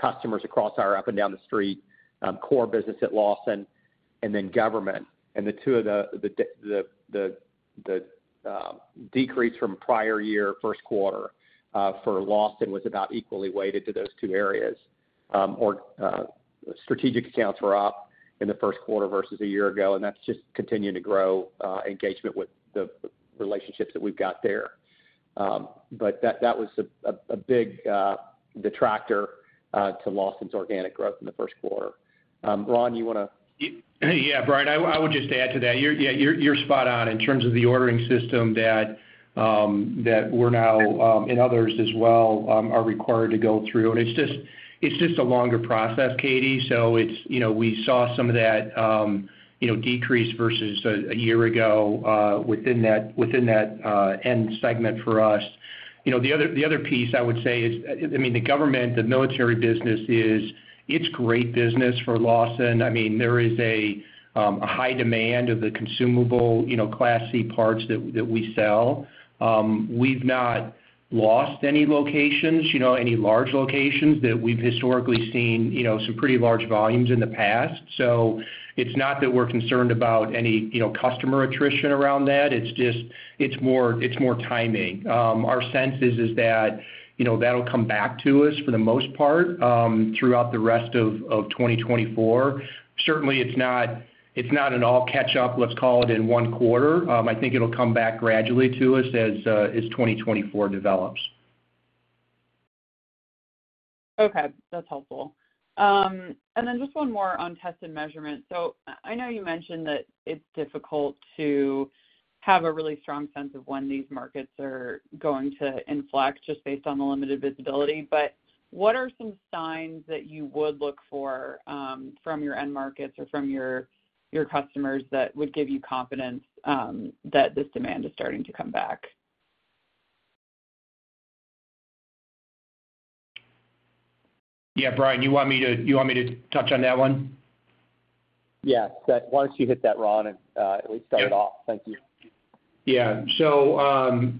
customers across our up and down the street, core business at Lawson, and then government. And the two of the decrease from prior year, first quarter, for Lawson was about equally weighted to those two areas. Our strategic accounts were up in the first quarter versus a year ago, and that's just continuing to grow engagement with the relationships that we've got there. But that was a big detractor to Lawson's organic growth in the first quarter. Ron, you want to? Yeah, Bryan. I would just add to that. Yeah, you're spot on in terms of the ordering system that we're now and others as well are required to go through. And it's just a longer process, Katie. So we saw some of that decrease versus a year ago within that end segment for us. The other piece, I would say, is I mean, the government, the military business, it's great business for Lawson. I mean, there is a high demand of the consumable Class C parts that we sell. We've not lost any locations, any large locations that we've historically seen some pretty large volumes in the past. So it's not that we're concerned about any customer attrition around that. It's more timing. Our sense is that that'll come back to us for the most part throughout the rest of 2024. Certainly, it's not an all catch-up, let's call it, in one quarter. I think it'll come back gradually to us as 2024 develops. Okay. That's helpful. And then just one more on test and measurement. So I know you mentioned that it's difficult to have a really strong sense of when these markets are going to inflect just based on the limited visibility. But what are some signs that you would look for from your end markets or from your customers that would give you confidence that this demand is starting to come back? Yeah, Bryan. You want me to touch on that one? Yes. Why don't you hit that, Ron, and at least start it off? Thank you. Yeah. So,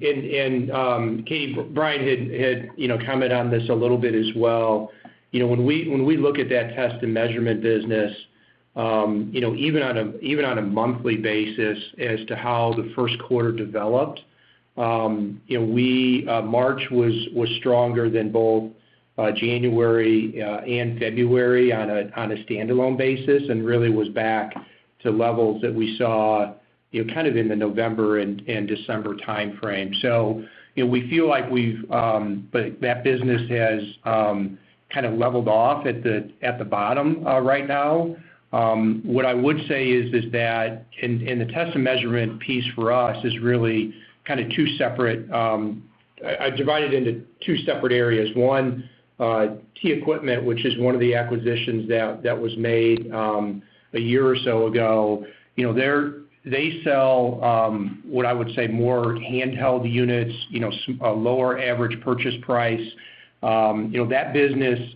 Katie, Bryan had commented on this a little bit as well. When we look at that test and measurement business, even on a monthly basis as to how the first quarter developed, March was stronger than both January and February on a standalone basis and really was back to levels that we saw kind of in the November and December timeframe. So we feel like we've but that business has kind of leveled off at the bottom right now. What I would say is that in the test and measurement piece for us is really kind of two separate. I divide it into two separate areas. One, TEquipment, which is one of the acquisitions that was made a year or so ago. They sell what I would say more handheld units, a lower average purchase price. That business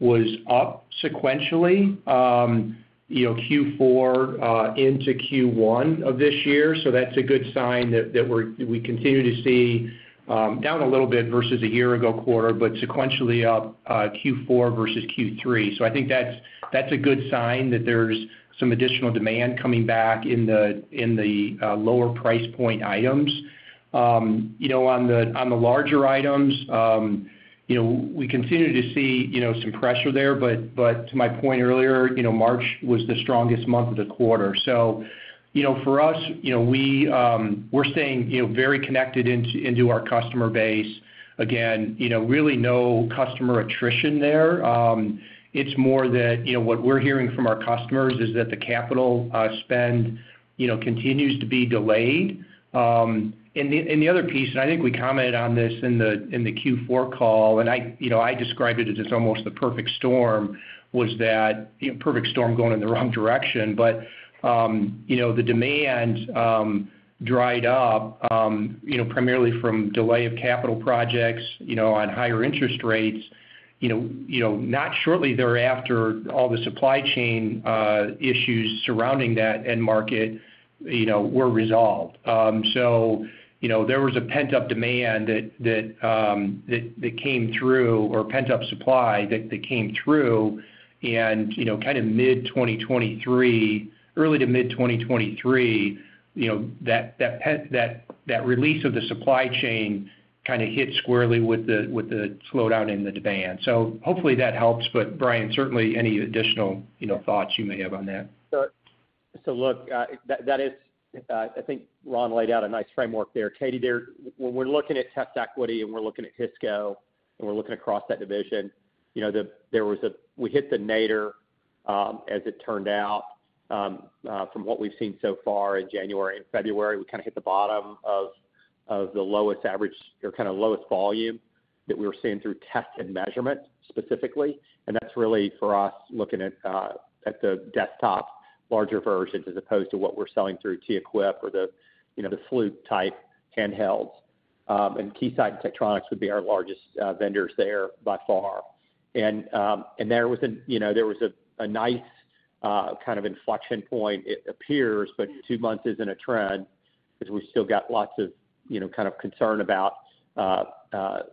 was up sequentially Q4 into Q1 of this year. So that's a good sign that we continue to see down a little bit versus a year ago quarter, but sequentially up Q4 versus Q3. So I think that's a good sign that there's some additional demand coming back in the lower price point items. On the larger items, we continue to see some pressure there. But to my point earlier, March was the strongest month of the quarter. So for us, we're staying very connected into our customer base. Again, really no customer attrition there. It's more that what we're hearing from our customers is that the capital spend continues to be delayed. And the other piece, and I think we commented on this in the Q4 call, and I described it as almost the perfect storm, was that perfect storm going in the wrong direction. But the demand dried up primarily from delay of capital projects on higher interest rates. Not shortly thereafter, all the supply chain issues surrounding that end market were resolved. So there was a pent-up demand that came through or pent-up supply that came through. And kind of mid-2023, early to mid-2023, that release of the supply chain kind of hit squarely with the slowdown in the demand. So hopefully, that helps. But Bryan, certainly, any additional thoughts you may have on that. So look, that is I think Ron laid out a nice framework there. Katie, we're looking at TestEquity, and we're looking at Hisco, and we're looking across that division. There was a we hit the nadir, as it turned out, from what we've seen so far in January and February. We kind of hit the bottom of the lowest average or kind of lowest volume that we were seeing through test and measurement specifically. And that's really for us looking at the desktop larger versions as opposed to what we're selling through TEquipment or the Fluke type handhelds. And Keysight and Tektronix would be our largest vendors there by far. And there was a nice kind of inflection point, it appears, but two months isn't a trend because we've still got lots of kind of concern about what's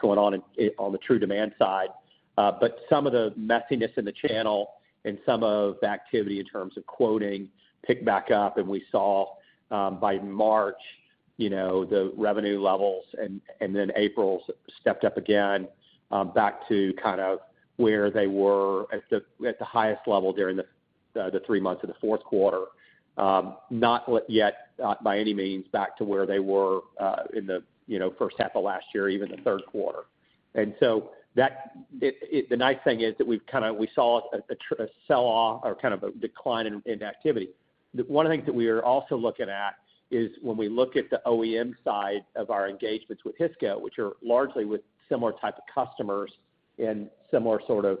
going on on the true demand side. But some of the messiness in the channel and some of the activity in terms of quoting picked back up. And we saw, by March, the revenue levels, and then April stepped up again back to kind of where they were at the highest level during the three months of the fourth quarter, not yet by any means back to where they were in the first half of last year, even the third quarter. And so the nice thing is that we've kind of we saw a sell-off or kind of a decline in activity. One of the things that we are also looking at is when we look at the OEM side of our engagements with Hisco, which are largely with similar type of customers and similar sort of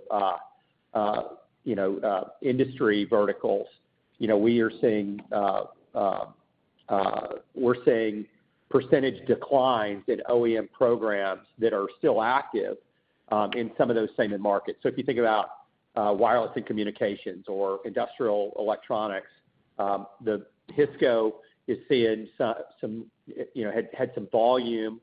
industry verticals, we are seeing we're seeing percentage declines in OEM programs that are still active in some of those same end markets. So if you think about wireless and communications or industrial electronics, Hisco is seeing some had some volume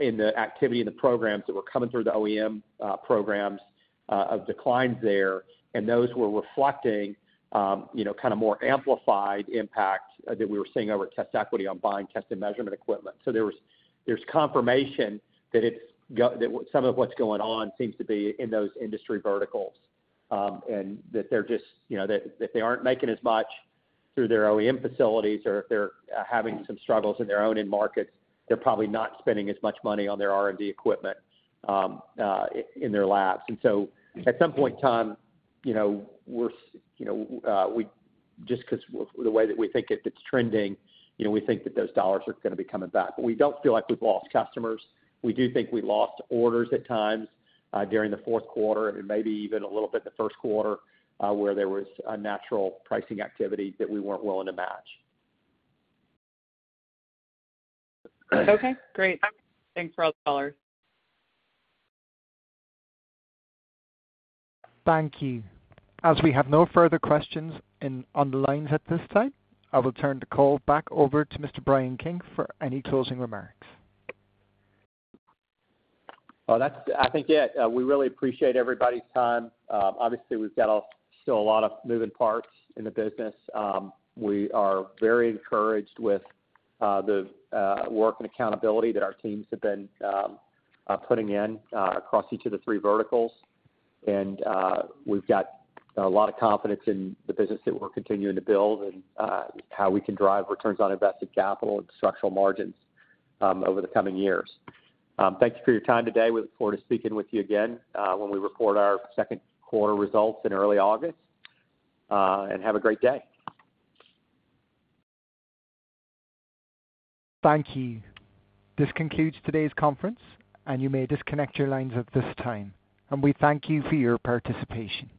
in the activity in the programs that were coming through the OEM programs of declines there. And those were reflecting kind of more amplified impact that we were seeing over TestEquity on buying test and measurement equipment. So there's confirmation that some of what's going on seems to be in those industry verticals and that they're just that they aren't making as much through their OEM facilities or if they're having some struggles in their own end markets, they're probably not spending as much money on their R&D equipment in their labs. And so at some point in time, we're just because the way that we think it's trending, we think that those dollars are going to be coming back. But we don't feel like we've lost customers. We do think we lost orders at times during the fourth quarter and maybe even a little bit in the first quarter where there was unnatural pricing activity that we weren't willing to match. Okay. Great. Thanks for all the color. Thank you. As we have no further questions on the lines at this time, I will turn the call back over to Mr. Bryan King for any closing remarks. Oh, I think yeah. We really appreciate everybody's time. Obviously, we've got still a lot of moving parts in the business. We are very encouraged with the work and accountability that our teams have been putting in across each of the three verticals. We've got a lot of confidence in the business that we're continuing to build and how we can drive returns on invested capital and structural margins over the coming years. Thank you for your time today. We look forward to speaking with you again when we report our second quarter results in early August. Have a great day. Thank you. This concludes today's conference, and you may disconnect your lines at this time. We thank you for your participation.